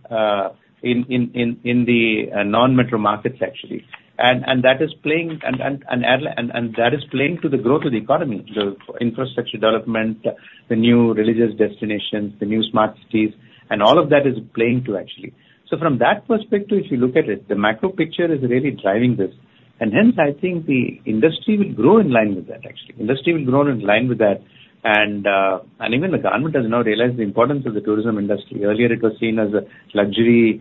in the non-metro markets, actually. And that is playing to the growth of the economy, the infrastructure development, the new religious destinations, the new smart cities, and all of that is playing to, actually. So from that perspective, if you look at it, the macro picture is really driving this. And hence, I think the industry will grow in line with that, actually. Industry will grow in line with that, and even the government has now realized the importance of the tourism industry. Earlier, it was seen as a luxury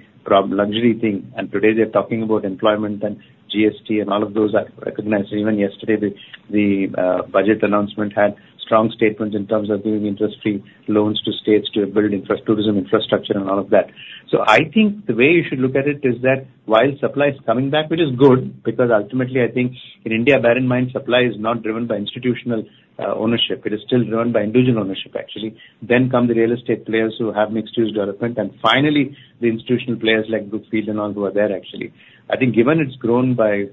thing, and today they're talking about employment and GST and all of those are recognized. Even yesterday, the budget announcement had strong statements in terms of giving interest-free loans to states to build tourism infrastructure and all of that. So I think the way you should look at it is that while supply is coming back, which is good, because ultimately, I think in India, bear in mind, supply is not driven by institutional ownership. It is still driven by individual ownership, actually. Then come the real estate players who have mixed-use development, and finally, the institutional players like Brookfield and all who are there, actually. I think given it's grown by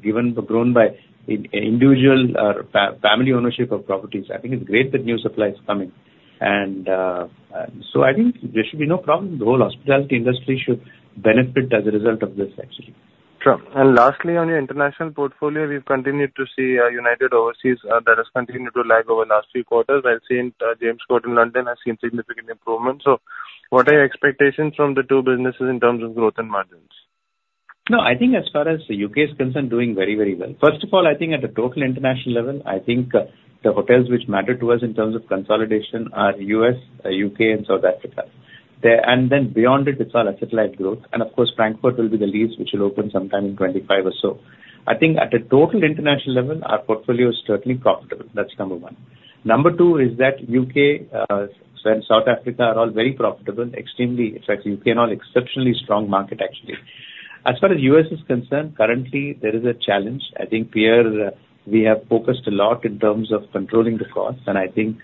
individual or family ownership of properties, I think it's great that new supply is coming. So, I think there should be no problem. The whole hospitality industry should benefit as a result of this, actually. Sure. Lastly, on your international portfolio, we've continued to see, U.S. and overseas, that has continued to lag over last few quarters. I've seen, St. James' Court in London has seen significant improvement. So what are your expectations from the two businesses in terms of growth and margins? No, I think as far as the U.K. is concerned, doing very, very well. First of all, I think at a total international level, I think, the hotels which matter to us in terms of consolidation are U.S., U.K. and South Africa. There, and then beyond it, it's all satellite growth, and of course, Frankfurt will be the least, which will open sometime in 2025 or so. I think at a total international level, our portfolio is certainly profitable. That's number one. Number two is that U.K., and South Africa are all very profitable, extremely... In fact, U.K. and all, exceptionally strong market actually. As far as U.S. is concerned, currently, there is a challenge. I think The Pierre, we have focused a lot in terms of controlling the costs, and I think,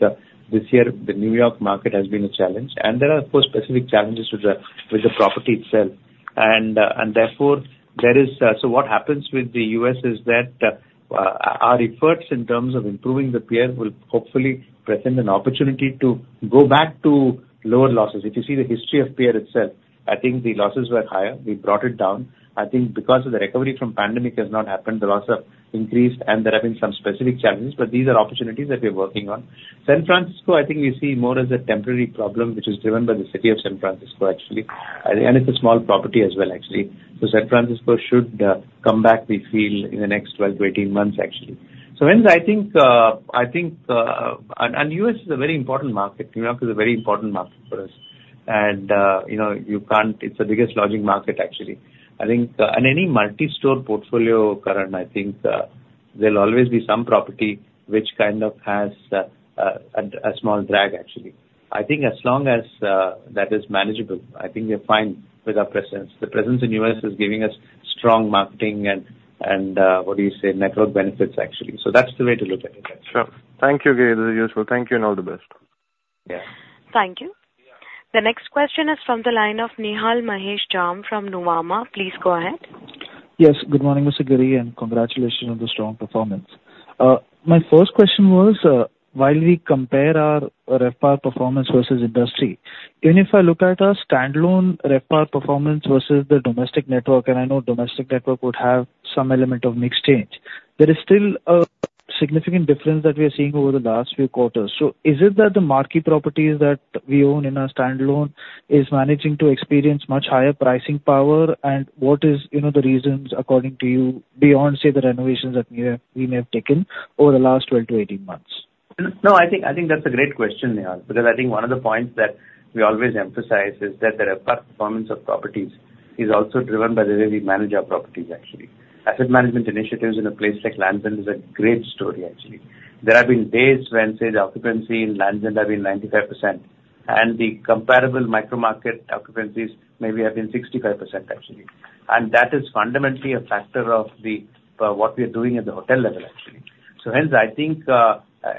this year, the New York market has been a challenge. There are, of course, specific challenges with the property itself. And, and therefore, there is... So what happens with the U.S. is that, our efforts in terms of improving the Pierre will hopefully present an opportunity to go back to lower losses. If you see the history of Pierre itself, I think the losses were higher. We brought it down. I think because of the recovery from pandemic has not happened, the losses increased, and there have been some specific challenges, but these are opportunities that we're working on. San Francisco, I think we see more as a temporary problem, which is driven by the city of San Francisco, actually. And it's a small property as well, actually. So San Francisco should come back, we feel, in the next 12-18 months, actually. So hence, I think, I think... U.S. is a very important market. New York is a very important market for us. You know, you can't. It's the biggest lodging market, actually. I think, and any multi-store portfolio, Karan, I think, there'll always be some property which kind of has, a, a small drag, actually. I think as long as, that is manageable, I think we're fine with our presence. The presence in U.S. is giving us strong marketing and, what do you say? Network benefits, actually. So that's the way to look at it, actually. Sure. Thank you, Giri. This is useful. Thank you, and all the best. Yeah. Thank you. The next question is from the line of Nihal Mahesh Jham from Nuvama. Please go ahead. Yes, good morning, Mr. Giri, and congratulations on the strong performance. My first question was, while we compare our RevPAR performance versus industry, even if I look at our standalone RevPAR performance versus the domestic network, and I know domestic network would have some element of mix change, there is still a significant difference that we are seeing over the last few quarters. Is it that the marquee properties that we own in our standalone is managing to experience much higher pricing power? And what is, you know, the reasons, according to you, beyond, say, the renovations that we have, we may have taken over the last 12-18 months?... No, I think, I think that's a great question, Nihal, because I think one of the points that we always emphasize is that the outperformance of properties is also driven by the way we manage our properties, actually. Asset management initiatives in a place like Lalit is a great story, actually. There have been days when, say, the occupancy in Lalit have been 95%, and the comparable micro market occupancies maybe have been 65%, actually. And that is fundamentally a factor of the, what we are doing at the hotel level, actually. So hence, I think,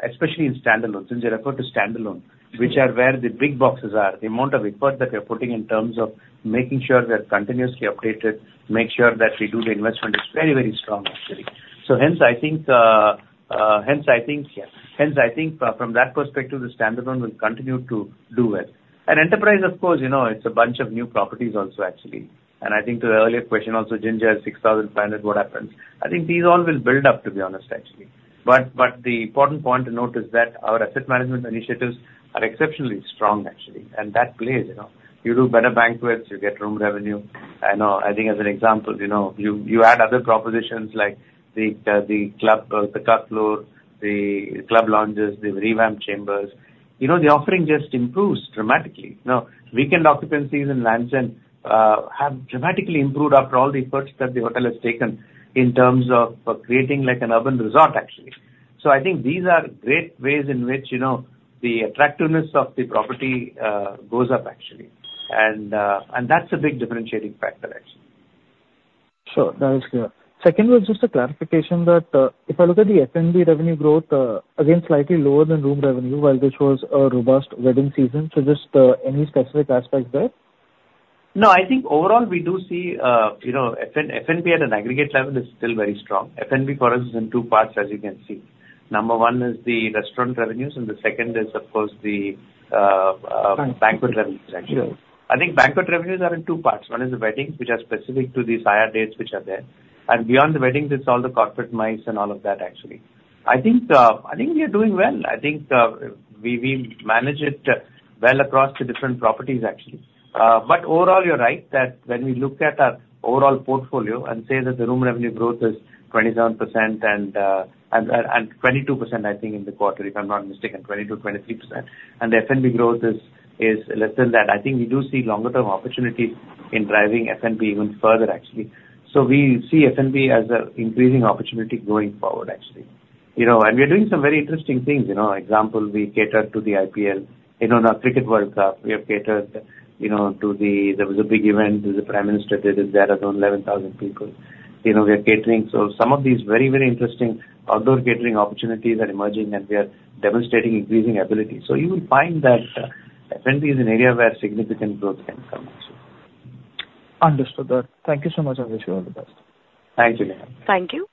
especially in standalone, since you refer to standalone, which are where the big boxes are, the amount of effort that we are putting in terms of making sure we are continuously updated, make sure that we do the investment, is very, very strong, actually. So hence, I think, yeah. Hence, I think from that perspective, the standalone will continue to do well. Enterprise, of course, you know, it's a bunch of new properties also, actually. And I think to the earlier question also, Ginger, 6,500, what happens? I think these all will build up, to be honest, actually. But the important point to note is that our asset management initiatives are exceptionally strong, actually. And that plays, you know, you do better banquets, you get room revenue. I know, I think as an example, you know, you add other propositions like the club floor, the club lounges, the revamped Chambers. You know, the offering just improves dramatically. Now, weekend occupancies in Lalit have dramatically improved after all the efforts that the hotel has taken in terms of creating like an urban resort, actually. So I think these are great ways in which, you know, the attractiveness of the property goes up, actually. And that's a big differentiating factor, actually. Sure, that is clear. Secondly, just a clarification that, if I look at the F&B revenue growth, again, slightly lower than room revenue, while this was a robust wedding season. So just, any specific aspects there? No, I think overall, we do see, you know, F&B at an aggregate level is still very strong. F&B for us is in two parts, as you can see. Number one is the restaurant revenues, and the second is, of course, the banquet revenues, actually. Sure. I think banquet revenues are in two parts. One is the weddings, which are specific to these higher dates, which are there. And beyond the weddings, it's all the corporate MICE and all of that, actually. I think, I think we are doing well. I think, we, we manage it well across the different properties, actually. But overall, you're right that when we look at our overall portfolio and say that the room revenue growth is 27% and, and, and 22%, I think, in the quarter, if I'm not mistaken, 22, 23%, and the F&B growth is, is less than that. I think we do see longer term opportunity in driving F&B even further, actually. So we see F&B as an increasing opportunity going forward, actually. You know, and we are doing some very interesting things. You know, example, we cater to the IPL. You know, now Cricket World Cup, we have catered, you know, to the... There was a big event that the Prime Minister did, is there are around 11,000 people. You know, we are catering. So some of these very, very interesting outdoor catering opportunities are emerging, and we are demonstrating increasing ability. So you will find that F&B is an area where significant growth can come, actually. Understood that. Thank you so much. I wish you all the best. Thank you. Thank you.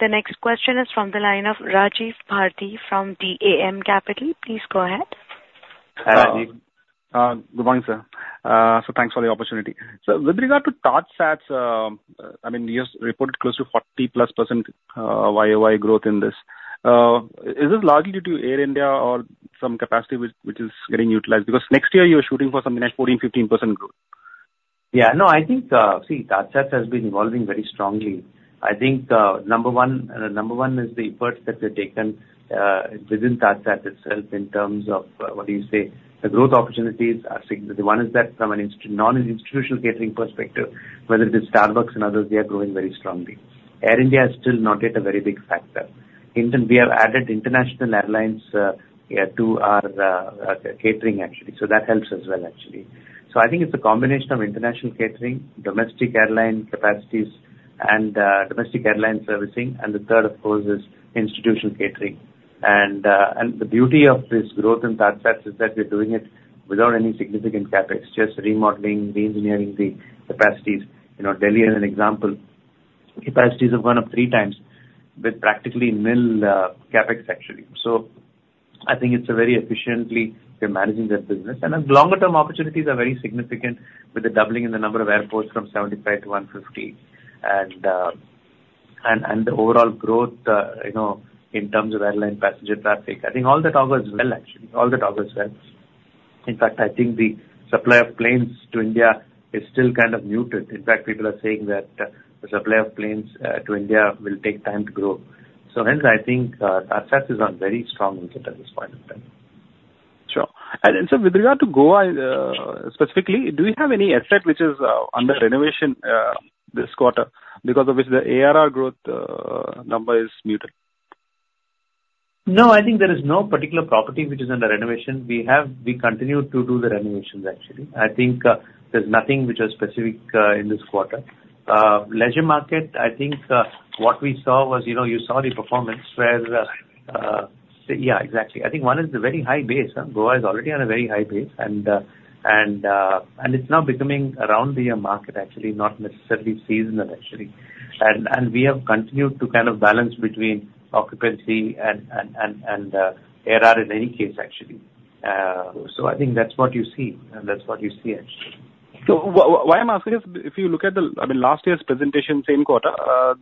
The next question is from the line of Rajiv Bharti from DAM Capital. Please go ahead. Good morning, sir. So thanks for the opportunity. So with regard to TajSATS, I mean, you just reported close to 40+% YoY growth in this. Is this largely due to Air India or some capacity which is getting utilized? Because next year you are shooting for something like 14%-15% growth. Yeah. No, I think, see, TajSATS has been evolving very strongly. I think, number one, number one is the efforts that were taken, within TajSATS itself in terms of, what do you say? The growth opportunities are significant. One is that from an insti- non-institutional catering perspective, whether it is Starbucks and others, they are growing very strongly. Air India is still not yet a very big factor. In fact, we have added international airlines, to our, catering, actually, so that helps as well, actually. So I think it's a combination of international catering, domestic airline capacities and, domestic airline servicing, and the third, of course, is institutional catering. And, and the beauty of this growth in TajSATS is that we're doing it without any significant CapEx, just remodeling, reengineering the capacities. You know, Delhi, as an example, capacities have gone up three times with practically nil, CapEx, actually. So I think it's a very efficiently, we're managing that business. And the longer term opportunities are very significant, with the doubling in the number of airports from 75 to 150. And, and, and the overall growth, you know, in terms of airline passenger traffic. I think all that augurs well, actually. All that augurs well. In fact, I think the supply of planes to India is still kind of muted. In fact, people are saying that the supply of planes, to India will take time to grow. So hence, I think, TajSATS is on very strong wicket at this point in time. Sure. And so with regard to Goa, specifically, do you have any asset which is under renovation this quarter? Because of which the ARR growth number is muted. No, I think there is no particular property which is under renovation. We have. We continue to do the renovations, actually. I think, there's nothing which is specific in this quarter. Leisure market, I think, what we saw was, you know, you saw the performance where... Yeah, exactly. I think one is the very high base. Goa is already on a very high base, and it's now becoming around the year market, actually, not necessarily seasonal, actually. And we have continued to kind of balance between occupancy and ARR in any case, actually. So I think that's what you see, and that's what you see, actually. So why I'm asking is, if you look at the, I mean, last year's presentation, same quarter,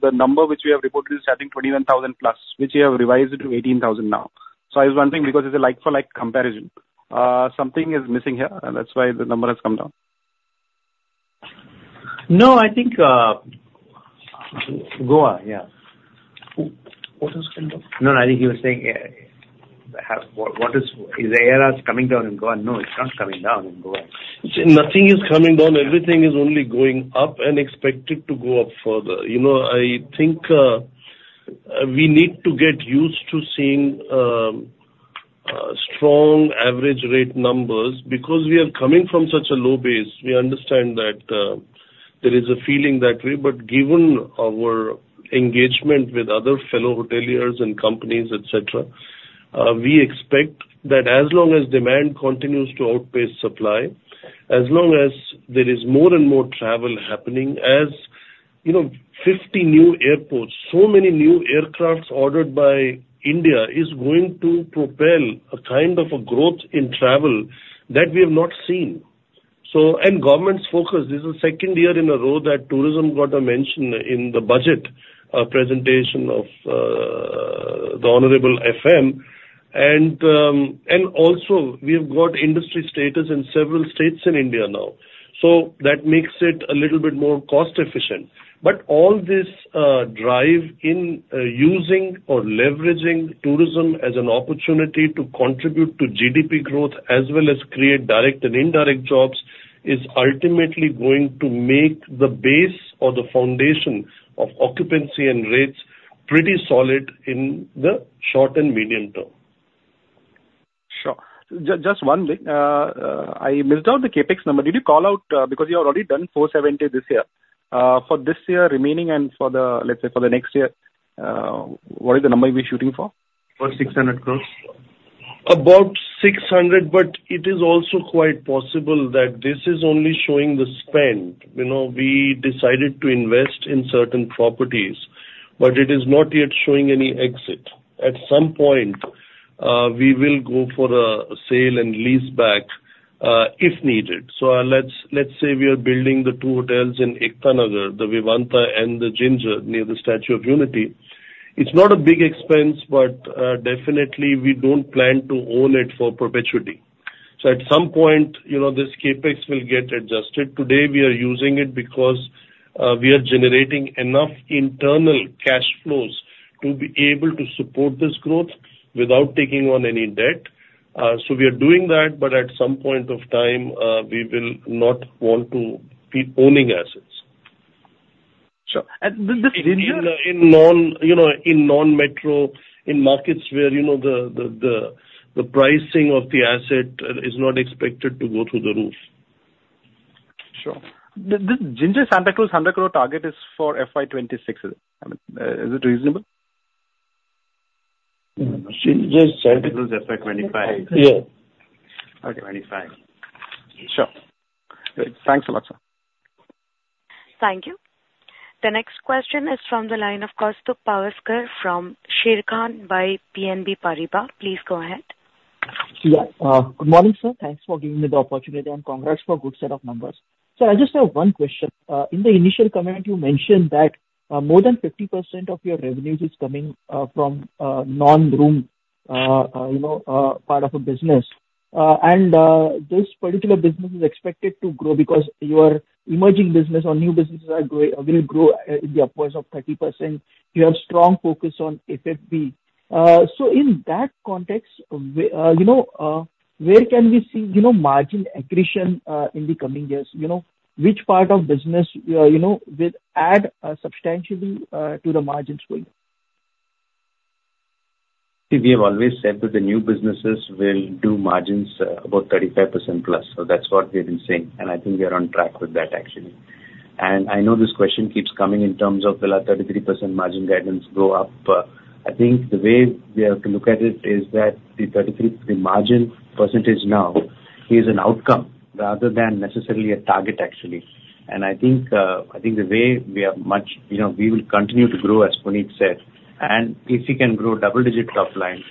the number which we have reported is, I think, 21,000 plus, which you have revised it to 18,000 now. So I was wondering, because it's a like-for-like comparison, something is missing here, and that's why the number has come down?... No, I think, Goa, yeah. What is coming down? No, I think he was saying, what, what is—is the ARRs coming down in Goa? No, it's not coming down in Goa. Nothing is coming down. Everything is only going up and expected to go up further. You know, I think, we need to get used to seeing strong average rate numbers because we are coming from such a low base. We understand that there is a feeling that way, but given our engagement with other fellow hoteliers and companies, et cetera, we expect that as long as demand continues to outpace supply, as long as there is more and more travel happening, as, you know, 50 new airports, so many new aircrafts ordered by India, is going to propel a kind of a growth in travel that we have not seen. So, and the government's focus, this is the second year in a row that tourism got a mention in the budget presentation of the Honorable FM. Also, we have got industry status in several states in India now. That makes it a little bit more cost efficient. But all this drive in using or leveraging tourism as an opportunity to contribute to GDP growth, as well as create direct and indirect jobs, is ultimately going to make the base or the foundation of occupancy and rates pretty solid in the short and medium term. Sure. Just one thing, I missed out the CapEx number. Did you call out, because you have already done 470 crores this year. For this year remaining and for the, let's say, for the next year, what is the number we're shooting for? For 600 crores. About 600, but it is also quite possible that this is only showing the spend. You know, we decided to invest in certain properties, but it is not yet showing any exit. At some point, we will go for a sale and lease back, if needed. So let's say we are building the 2 hotels in Ekta Nagar, the Vivanta and the Ginger, near the Statue of Unity. It's not a big expense, but definitely we don't plan to own it for perpetuity. So at some point, you know, this CapEx will get adjusted. Today, we are using it because we are generating enough internal cash flows to be able to support this growth without taking on any debt. So we are doing that, but at some point of time, we will not want to keep owning assets. Sure. This Ginger- In non-metro markets where, you know, the pricing of the asset is not expected to go through the roof. Sure. The Ginger Santa Cruz 100 crore target is for FY 2026. Is it reasonable? Ginger is Santa Cruz FY 2025. Yeah. Okay. 25. Sure. Great. Thanks a lot, sir. Thank you. The next question is from the line of Kaustubh Pawaskar from Sharekhan by BNP Paribas. Please go ahead. Yeah. Good morning, sir. Thanks for giving me the opportunity and congrats for good set of numbers. So I just have one question. In the initial comment, you mentioned that more than 50% of your revenues is coming from non-room, you know, part of a business. And this particular business is expected to grow because your emerging business or new businesses are growing, will grow in the upwards of 30%. You have strong focus on F&B. So in that context, you know, where can we see, you know, margin accretion in the coming years? You know, which part of business, you know, will add substantially to the margins growth? We have always said that the new businesses will do margins about 35%+. So that's what we've been saying, and I think we are on track with that, actually. And I know this question keeps coming in terms of, will our 33% margin guidance go up? I think the way we have to look at it is that the 33%, the margin percentage now is an outcome rather than necessarily a target, actually. And I think, I think the way we are much, you know, we will continue to grow, as Puneet said, and if we can grow double-digit top line,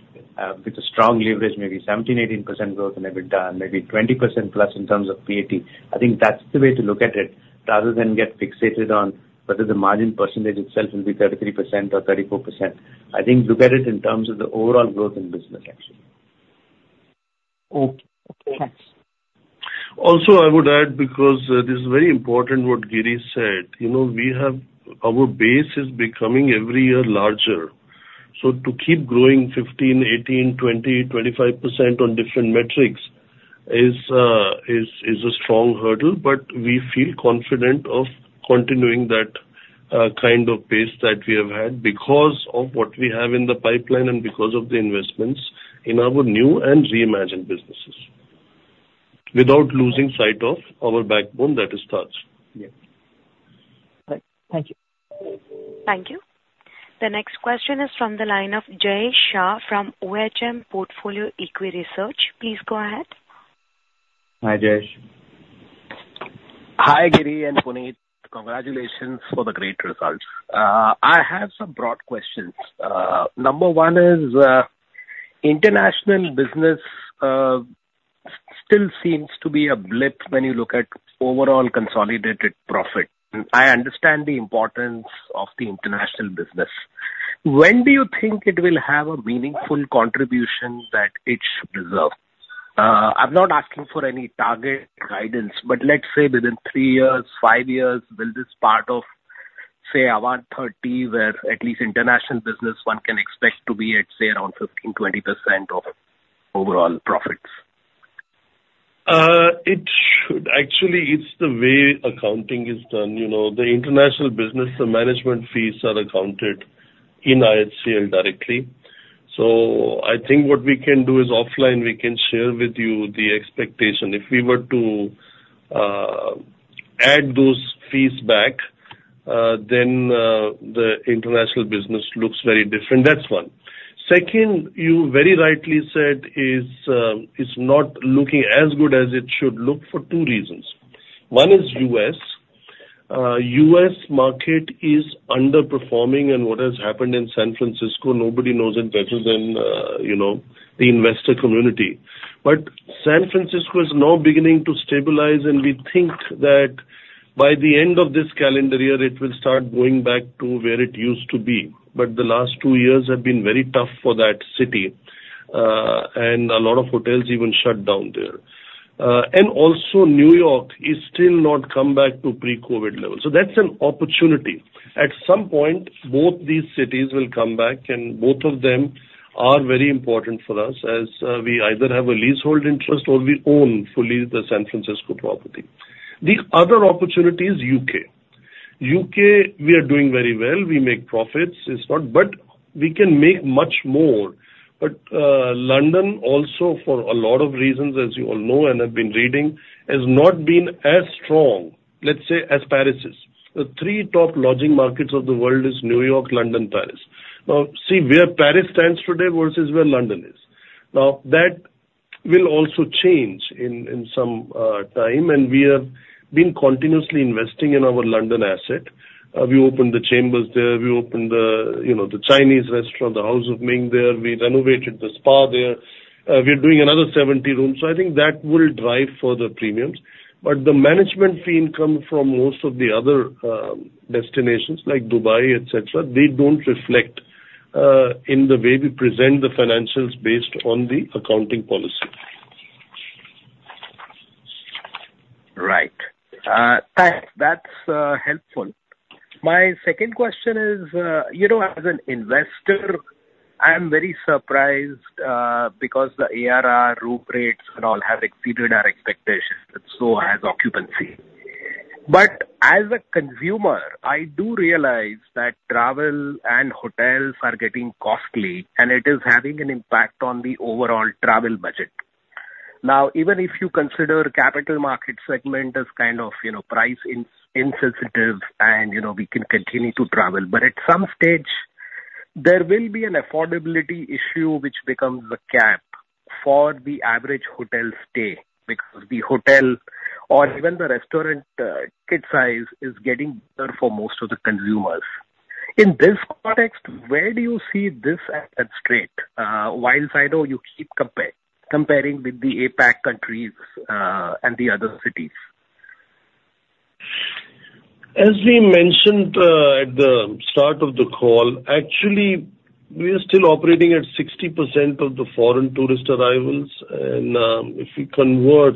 with a strong leverage, maybe 17%-18% growth in EBITDA, maybe 20%+ in terms of PAT, I think that's the way to look at it, rather than get fixated on whether the margin percentage itself will be 33% or 34%. I think look at it in terms of the overall growth in business, actually. Okay. Okay, thanks. Also, I would add, because this is very important what Giri said. You know, we have. Our base is becoming every year larger. So to keep growing 15%, 18%, 20%, 25% on different metrics is a strong hurdle. But we feel confident of continuing that kind of pace that we have had because of what we have in the pipeline and because of the investments in our new and reimagined businesses, without losing sight of our backbone that is Taj. Yeah. Thank you. Thank you. The next question is from the line of Jay Shah from Ohm Portfolio Equi Research. Please go ahead. Hi, Jay. Hi, Giri and Puneet. Congratulations for the great results. I have some broad questions. Number one is, international business still seems to be a blip when you look at overall consolidated profit. I understand the importance of the international business. When do you think it will have a meaningful contribution that it should deserve? I'm not asking for any target guidance, but let's say within three years, five years, will this part of, say, our 130, where at least international business one can expect to be at, say, around 15%–20% of overall profits. It should. Actually, it's the way accounting is done. You know, the international business, the management fees are accounted in IHCL directly. So I think what we can do is offline, we can share with you the expectation. If we were to add those fees back, then the international business looks very different. That's one. Second, you very rightly said is, it's not looking as good as it should look for two reasons. One is U.S., U.S. market is underperforming, and what has happened in San Francisco, nobody knows it better than you know, the investor community. But San Francisco is now beginning to stabilize, and we think that by the end of this calendar year, it will start going back to where it used to be. But the last two years have been very tough for that city, and a lot of hotels even shut down there. And also New York is still not come back to pre-COVID level, so that's an opportunity. At some point, both these cities will come back, and both of them are very important for us, as, we either have a leasehold interest or we own fully the San Francisco property. The other opportunity is U.K. U.K., we are doing very well. We make profits. It's not-- But we can make much more. But, London also for a lot of reasons, as you all know and have been reading, has not been as strong, let's say, as Paris is. The three top lodging markets of the world is New York, London, Paris. Now, see where Paris stands today versus where London is. Now, that will also change in some time, and we have been continuously investing in our London asset. We opened The Chambers there. We opened the, you know, the Chinese restaurant, the House of Ming there. We renovated the spa there. We are doing another 70 rooms, so I think that will drive further premiums. But the management fee income from most of the other destinations like Dubai, et cetera, they don't reflect in the way we present the financials based on the accounting policy. Right. Thanks. That's helpful. My second question is, you know, as an investor, I am very surprised because the ARR room rates and all have exceeded our expectations and so has occupancy. But as a consumer, I do realize that travel and hotels are getting costly, and it is having an impact on the overall travel budget. Now, even if you consider capital market segment as kind of, you know, price-insensitive, and, you know, we can continue to travel, but at some stage there will be an affordability issue which becomes the cap for the average hotel stay, because the hotel or even the restaurant, kids size is getting better for most of the consumers. In this context, where do you see this at this stage, while I know you keep comparing with the APAC countries, and the other cities? As we mentioned, at the start of the call, actually, we are still operating at 60% of the foreign tourist arrivals, and, if you convert,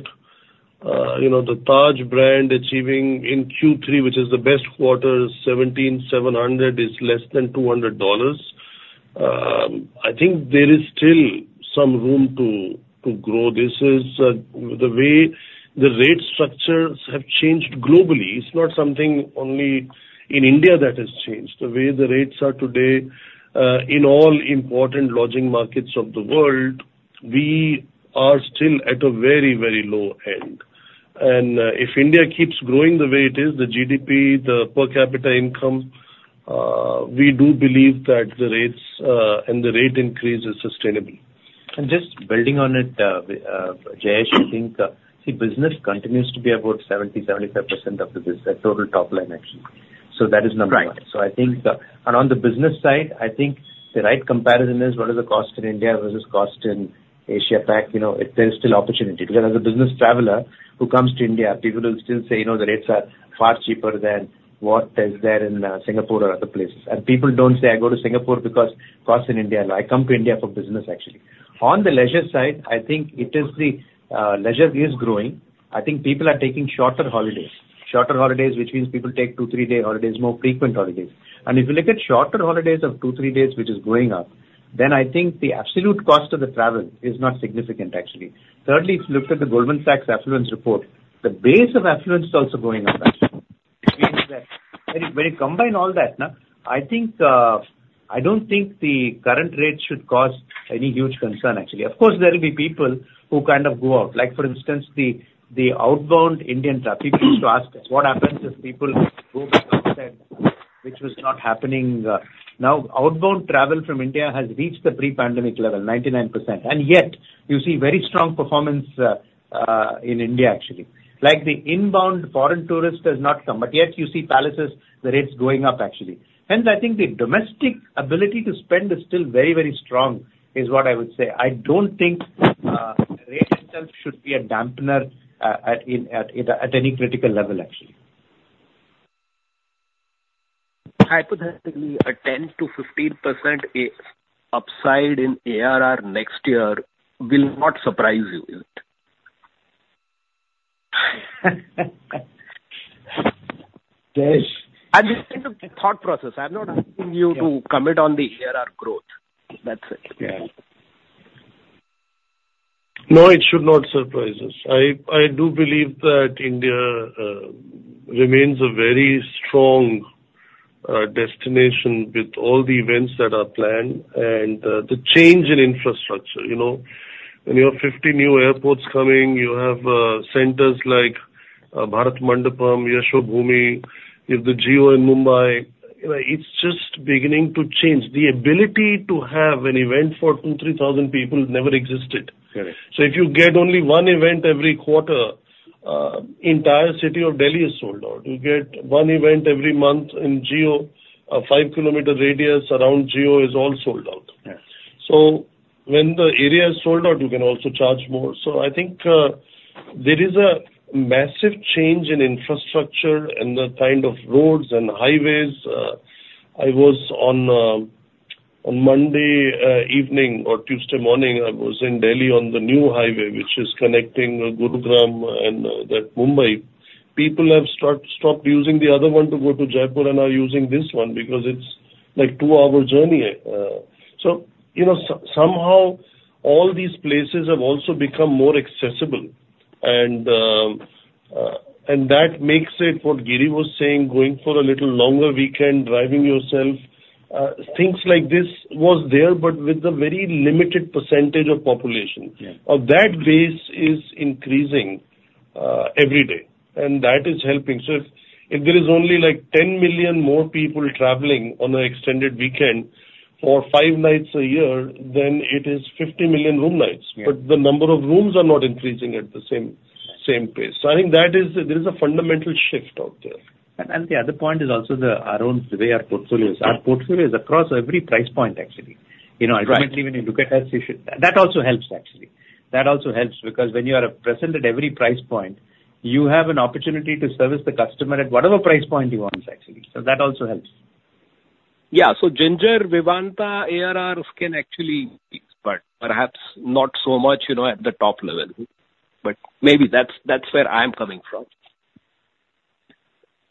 you know, the Taj brand achieving in Q3, which is the best quarter, 17,700 is less than $200. I think there is still some room to, to grow. This is, the way the rate structures have changed globally. It's not something only in India that has changed. The way the rates are today, in all important lodging markets of the world, we are still at a very, very low end. And, if India keeps growing the way it is, the GDP, the per capita income, we do believe that the rates, and the rate increase is sustainable. Just building on it, Jayesh, I think, see, business continues to be about 70-75% of the business, the total top line, actually. So that is number one. Right. I think, and on the business side, I think the right comparison is what is the cost in India versus cost in Asia-Pac? You know, there is still opportunity, because as a business traveler who comes to India, people will still say, you know, the rates are far cheaper than what is there in Singapore or other places. And people don't say, "I go to Singapore because costs in India." No, "I come to India for business," actually. On the leisure side, I think it is the leisure is growing. I think people are taking shorter holidays. Shorter holidays, which means people take 2, 3-day holidays, more frequent holidays. And if you look at shorter holidays of 2, 3 days, which is going up, then I think the absolute cost of the travel is not significant, actually. Thirdly, if you look at the Goldman Sachs affluence report, the base of affluence is also going up, actually. When you combine all that, now, I think, I don't think the current rate should cause any huge concern, actually. Of course, there will be people who kind of go out, like, for instance, the, the outbound Indian traffic. People used to ask us, "What happens if people go, which was not happening?" Now, outbound travel from India has reached the pre-pandemic level, 99%, and yet you see very strong performance in India, actually. Like the inbound foreign tourist has not come, but yet you see palaces, the rates going up, actually. Hence, I think the domestic ability to spend is still very, very strong, is what I would say. I don't think rate itself should be a dampener at any critical level, actually.... hypothetically, a 10%-15% upside in ARR next year will not surprise you, is it? Jayesh- I'm just thinking of the thought process. I'm not asking you to commit on the ARR growth. That's it. Yeah. No, it should not surprise us. I do believe that India remains a very strong destination with all the events that are planned and the change in infrastructure, you know. When you have 50 new airports coming, you have centers like Bharat Mandapam, Yashobhoomi, you have the Jio in Mumbai, you know, it's just beginning to change. The ability to have an event for 2,000–3,000 people never existed. Correct. If you get only one event every quarter, entire city of Delhi is sold out. You get one event every month in Jio, a 5-kilometer radius around Jio is all sold out. Yes. So when the area is sold out, you can also charge more. So I think, there is a massive change in infrastructure and the kind of roads and highways. I was on, on Monday, evening or Tuesday morning, I was in Delhi on the new highway, which is connecting, Gurugram and, to Mumbai. People have stopped using the other one to go to Jaipur and are using this one because it's like two-hour journey. So, you know, somehow all these places have also become more accessible, and, and that makes it what Giri was saying, going for a little longer weekend, driving yourself. Things like this was there, but with a very limited percentage of population. Yeah. That base is increasing every day, and that is helping. So if, if there is only like 10 million more people traveling on an extended weekend for 5 nights a year, then it is 50 million room nights. Yeah. The number of rooms are not increasing at the same pace. I think that is... There is a fundamental shift out there. And the other point is also our own way, our portfolios. Our portfolio is across every price point, actually. You know- Right. Ultimately, when you look at us, you should. That also helps, actually. That also helps because when you are present at every price point, you have an opportunity to service the customer at whatever price point he wants, actually. So that also helps. Yeah. So Ginger, Vivanta, ARR can actually be, but perhaps not so much, you know, at the top level. But maybe that's, that's where I'm coming from.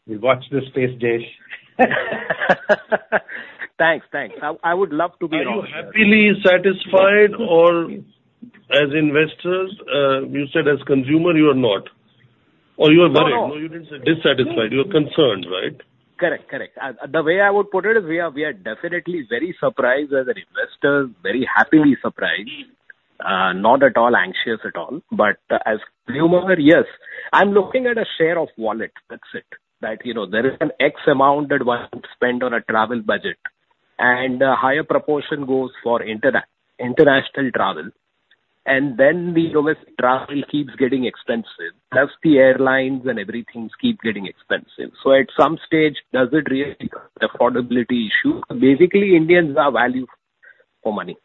We'll watch this space, Jayesh. Thanks. Thanks. I would love to be wrong. Are you happily satisfied or as investors, you said as consumer, you are not, or you are worried? No. No, you didn't say dissatisfied. You are concerned, right? Correct. Correct. The way I would put it is we are, we are definitely very surprised as investors, very happily surprised, not at all anxious at all. But as consumer, yes, I'm looking at a share of wallet. That's it. That, you know, there is an X amount that one would spend on a travel budget, and a higher proportion goes for international travel. And then the domestic travel keeps getting expensive, plus the airlines and everything keeps getting expensive. So at some stage, does it really become affordability issue? Basically, Indians are value for money.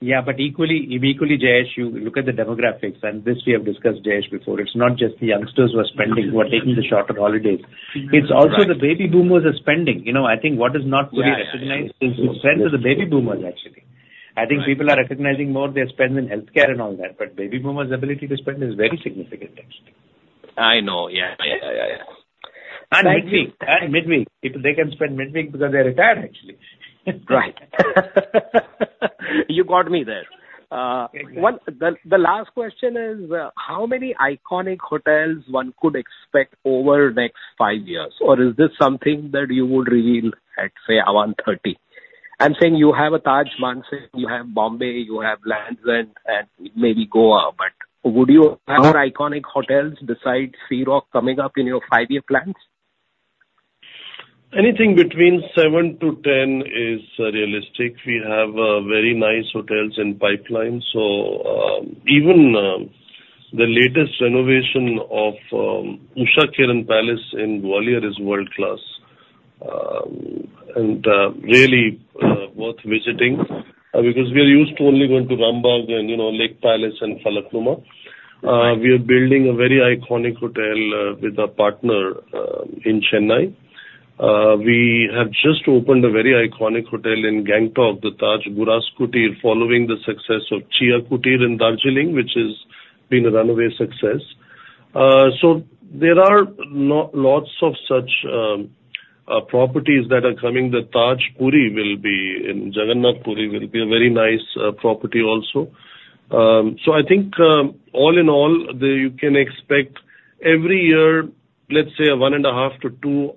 Yeah, but equally, equally, Jay Shah, you look at the demographics, and this we have discussed, Jay Shah, before. It's not just the youngsters who are spending, who are taking the shorter holidays. Right. It's also the baby boomers are spending. You know, I think what is not really recognized- Yeah. is the spend of the Baby Boomers, actually. Right. I think people are recognizing more their spend in healthcare and all that, but baby boomers' ability to spend is very significant, actually. I know. Yeah. Yeah. Yeah, yeah, yeah. And midweek. And midweek. People, they can spend midweek because they're retired, actually. Right. You got me there. Exactly. One, the last question is, how many iconic hotels one could expect over the next five years? Or is this something that you would reveal at, say, Ahvaan thirty? I'm saying you have a Taj Mansingh, you have Bombay, you have Land's End and maybe Goa, but would you have more iconic hotels besides Sea Rock coming up in your five-year plans? Anything between 7–10 is realistic. We have very nice hotels in pipeline. So, even the latest renovation of Usha Kiran Palace in Gwalior is world-class, and really worth visiting, because we are used to only going to Rambagh and, you know, Lake Palace and Falaknuma. We are building a very iconic hotel with a partner in Chennai. We have just opened a very iconic hotel in Gangtok, the Taj Guras Kutir, following the success of Taj Chia Kutir in Darjeeling, which has been a runaway success. So there are lots of such properties that are coming. The Taj Puri will be in Jagannath Puri, will be a very nice property also. So I think, all in all, you can expect every year, let's say, 1.5-2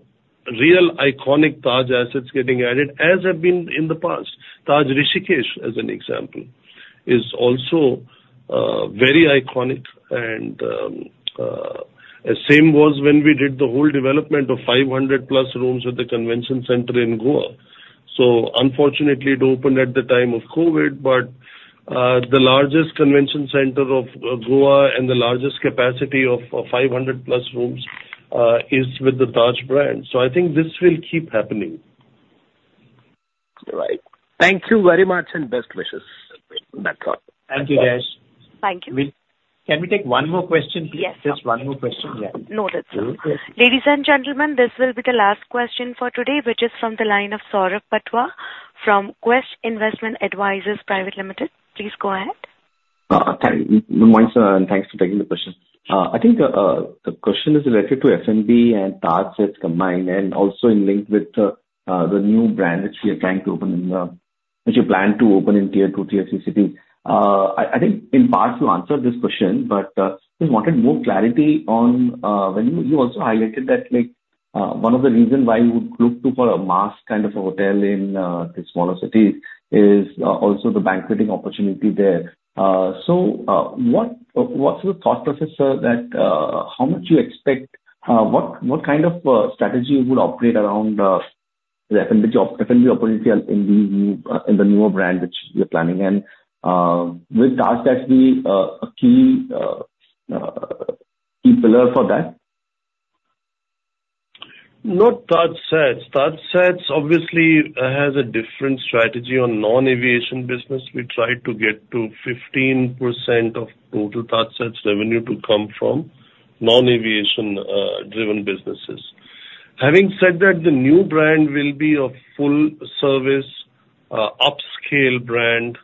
real iconic Taj assets getting added, as have been in the past. Taj Rishikesh, as an example, is also very iconic and same was when we did the whole development of 500+ rooms with the convention center in Goa. So unfortunately, it opened at the time of COVID, but the largest convention center of Goa and the largest capacity of 500+ rooms is with the Taj brand. So I think this will keep happening. Thank you very much, and best wishes. That's all. Thank you, guys. Thank you. Can we take one more question, please? Yes, sir. Just one more question. Yeah. Noted, sir. Ladies and gentlemen, this will be the last question for today, which is from the line of Saurabh Patwa from Quest Investment Advisors Private Limited. Please go ahead. Good morning, sir, and thanks for taking the question. I think the question is related to F&B and TajSATS combined, and also in link with the new brand which we are trying to open in the, which you plan to open in tier two, tier three cities. I think in parts you answered this question, but just wanted more clarity on when you also highlighted that, like, one of the reasons why you would look to for a mass kind of a hotel in the smaller cities is also the banqueting opportunity there. So, what's the thought process, sir, how much you expect, what kind of strategy you would operate around the F&B opportunity in the newer brand which you're planning? And, will Taj actually a key pillar for that? Not TajSATS. TajSATS obviously has a different strategy on non-aviation business. We try to get to 15% of total TajSATS revenue to come from non-aviation driven businesses. Having said that, the new brand will be a full service upscale brand,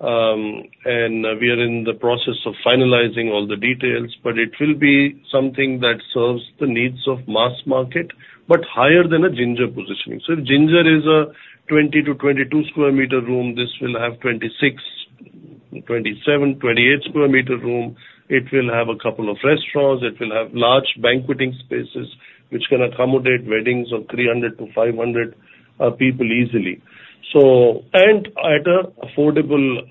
and we are in the process of finalizing all the details, but it will be something that serves the needs of mass market, but higher than a Ginger positioning. So Ginger is a 20-22 square meter room. This will have 26, 27, 28 square meter room. It will have a couple of restaurants. It will have large banqueting spaces, which can accommodate weddings of 300-500 people easily. So, and at an affordable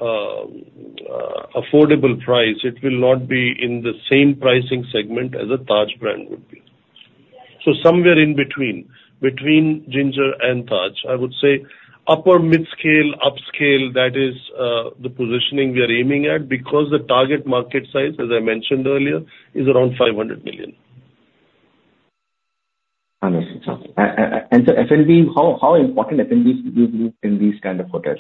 price, it will not be in the same pricing segment as a Taj brand would be. Somewhere in between, between Ginger and Taj, I would say upper mid-scale, upscale, that is, the positioning we are aiming at, because the target market size, as I mentioned earlier, is around 500 million. Understood, sir. And so F&B, how important F&B is to you in these kind of hotels?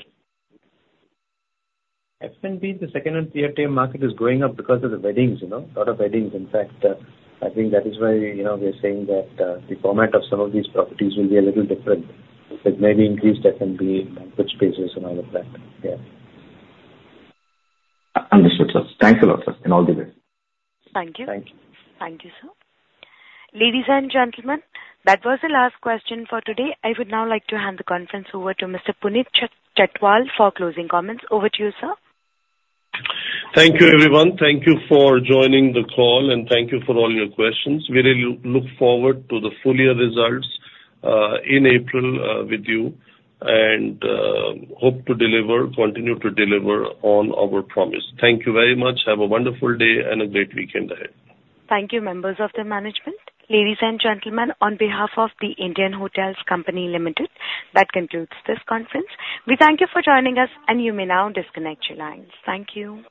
F&B, the second and third tier market is going up because of the weddings, you know, a lot of weddings. In fact, I think that is why, you know, we are saying that, the format of some of these properties will be a little different. It may be increased F&B banqueting spaces and all of that. Yeah. Understood, sir. Thanks a lot, sir, and all the best. Thank you. Thank you. Thank you, sir. Ladies and gentlemen, that was the last question for today. I would now like to hand the conference over to Mr. Puneet Chhatwal for closing comments. Over to you, sir. Thank you, everyone. Thank you for joining the call, and thank you for all your questions. We will look forward to the full year results in April with you, and hope to deliver, continue to deliver on our promise. Thank you very much. Have a wonderful day and a great weekend ahead. Thank you, members of the management. Ladies and gentlemen, on behalf of The Indian Hotels Company Limited, that concludes this conference. We thank you for joining us, and you may now disconnect your lines. Thank you.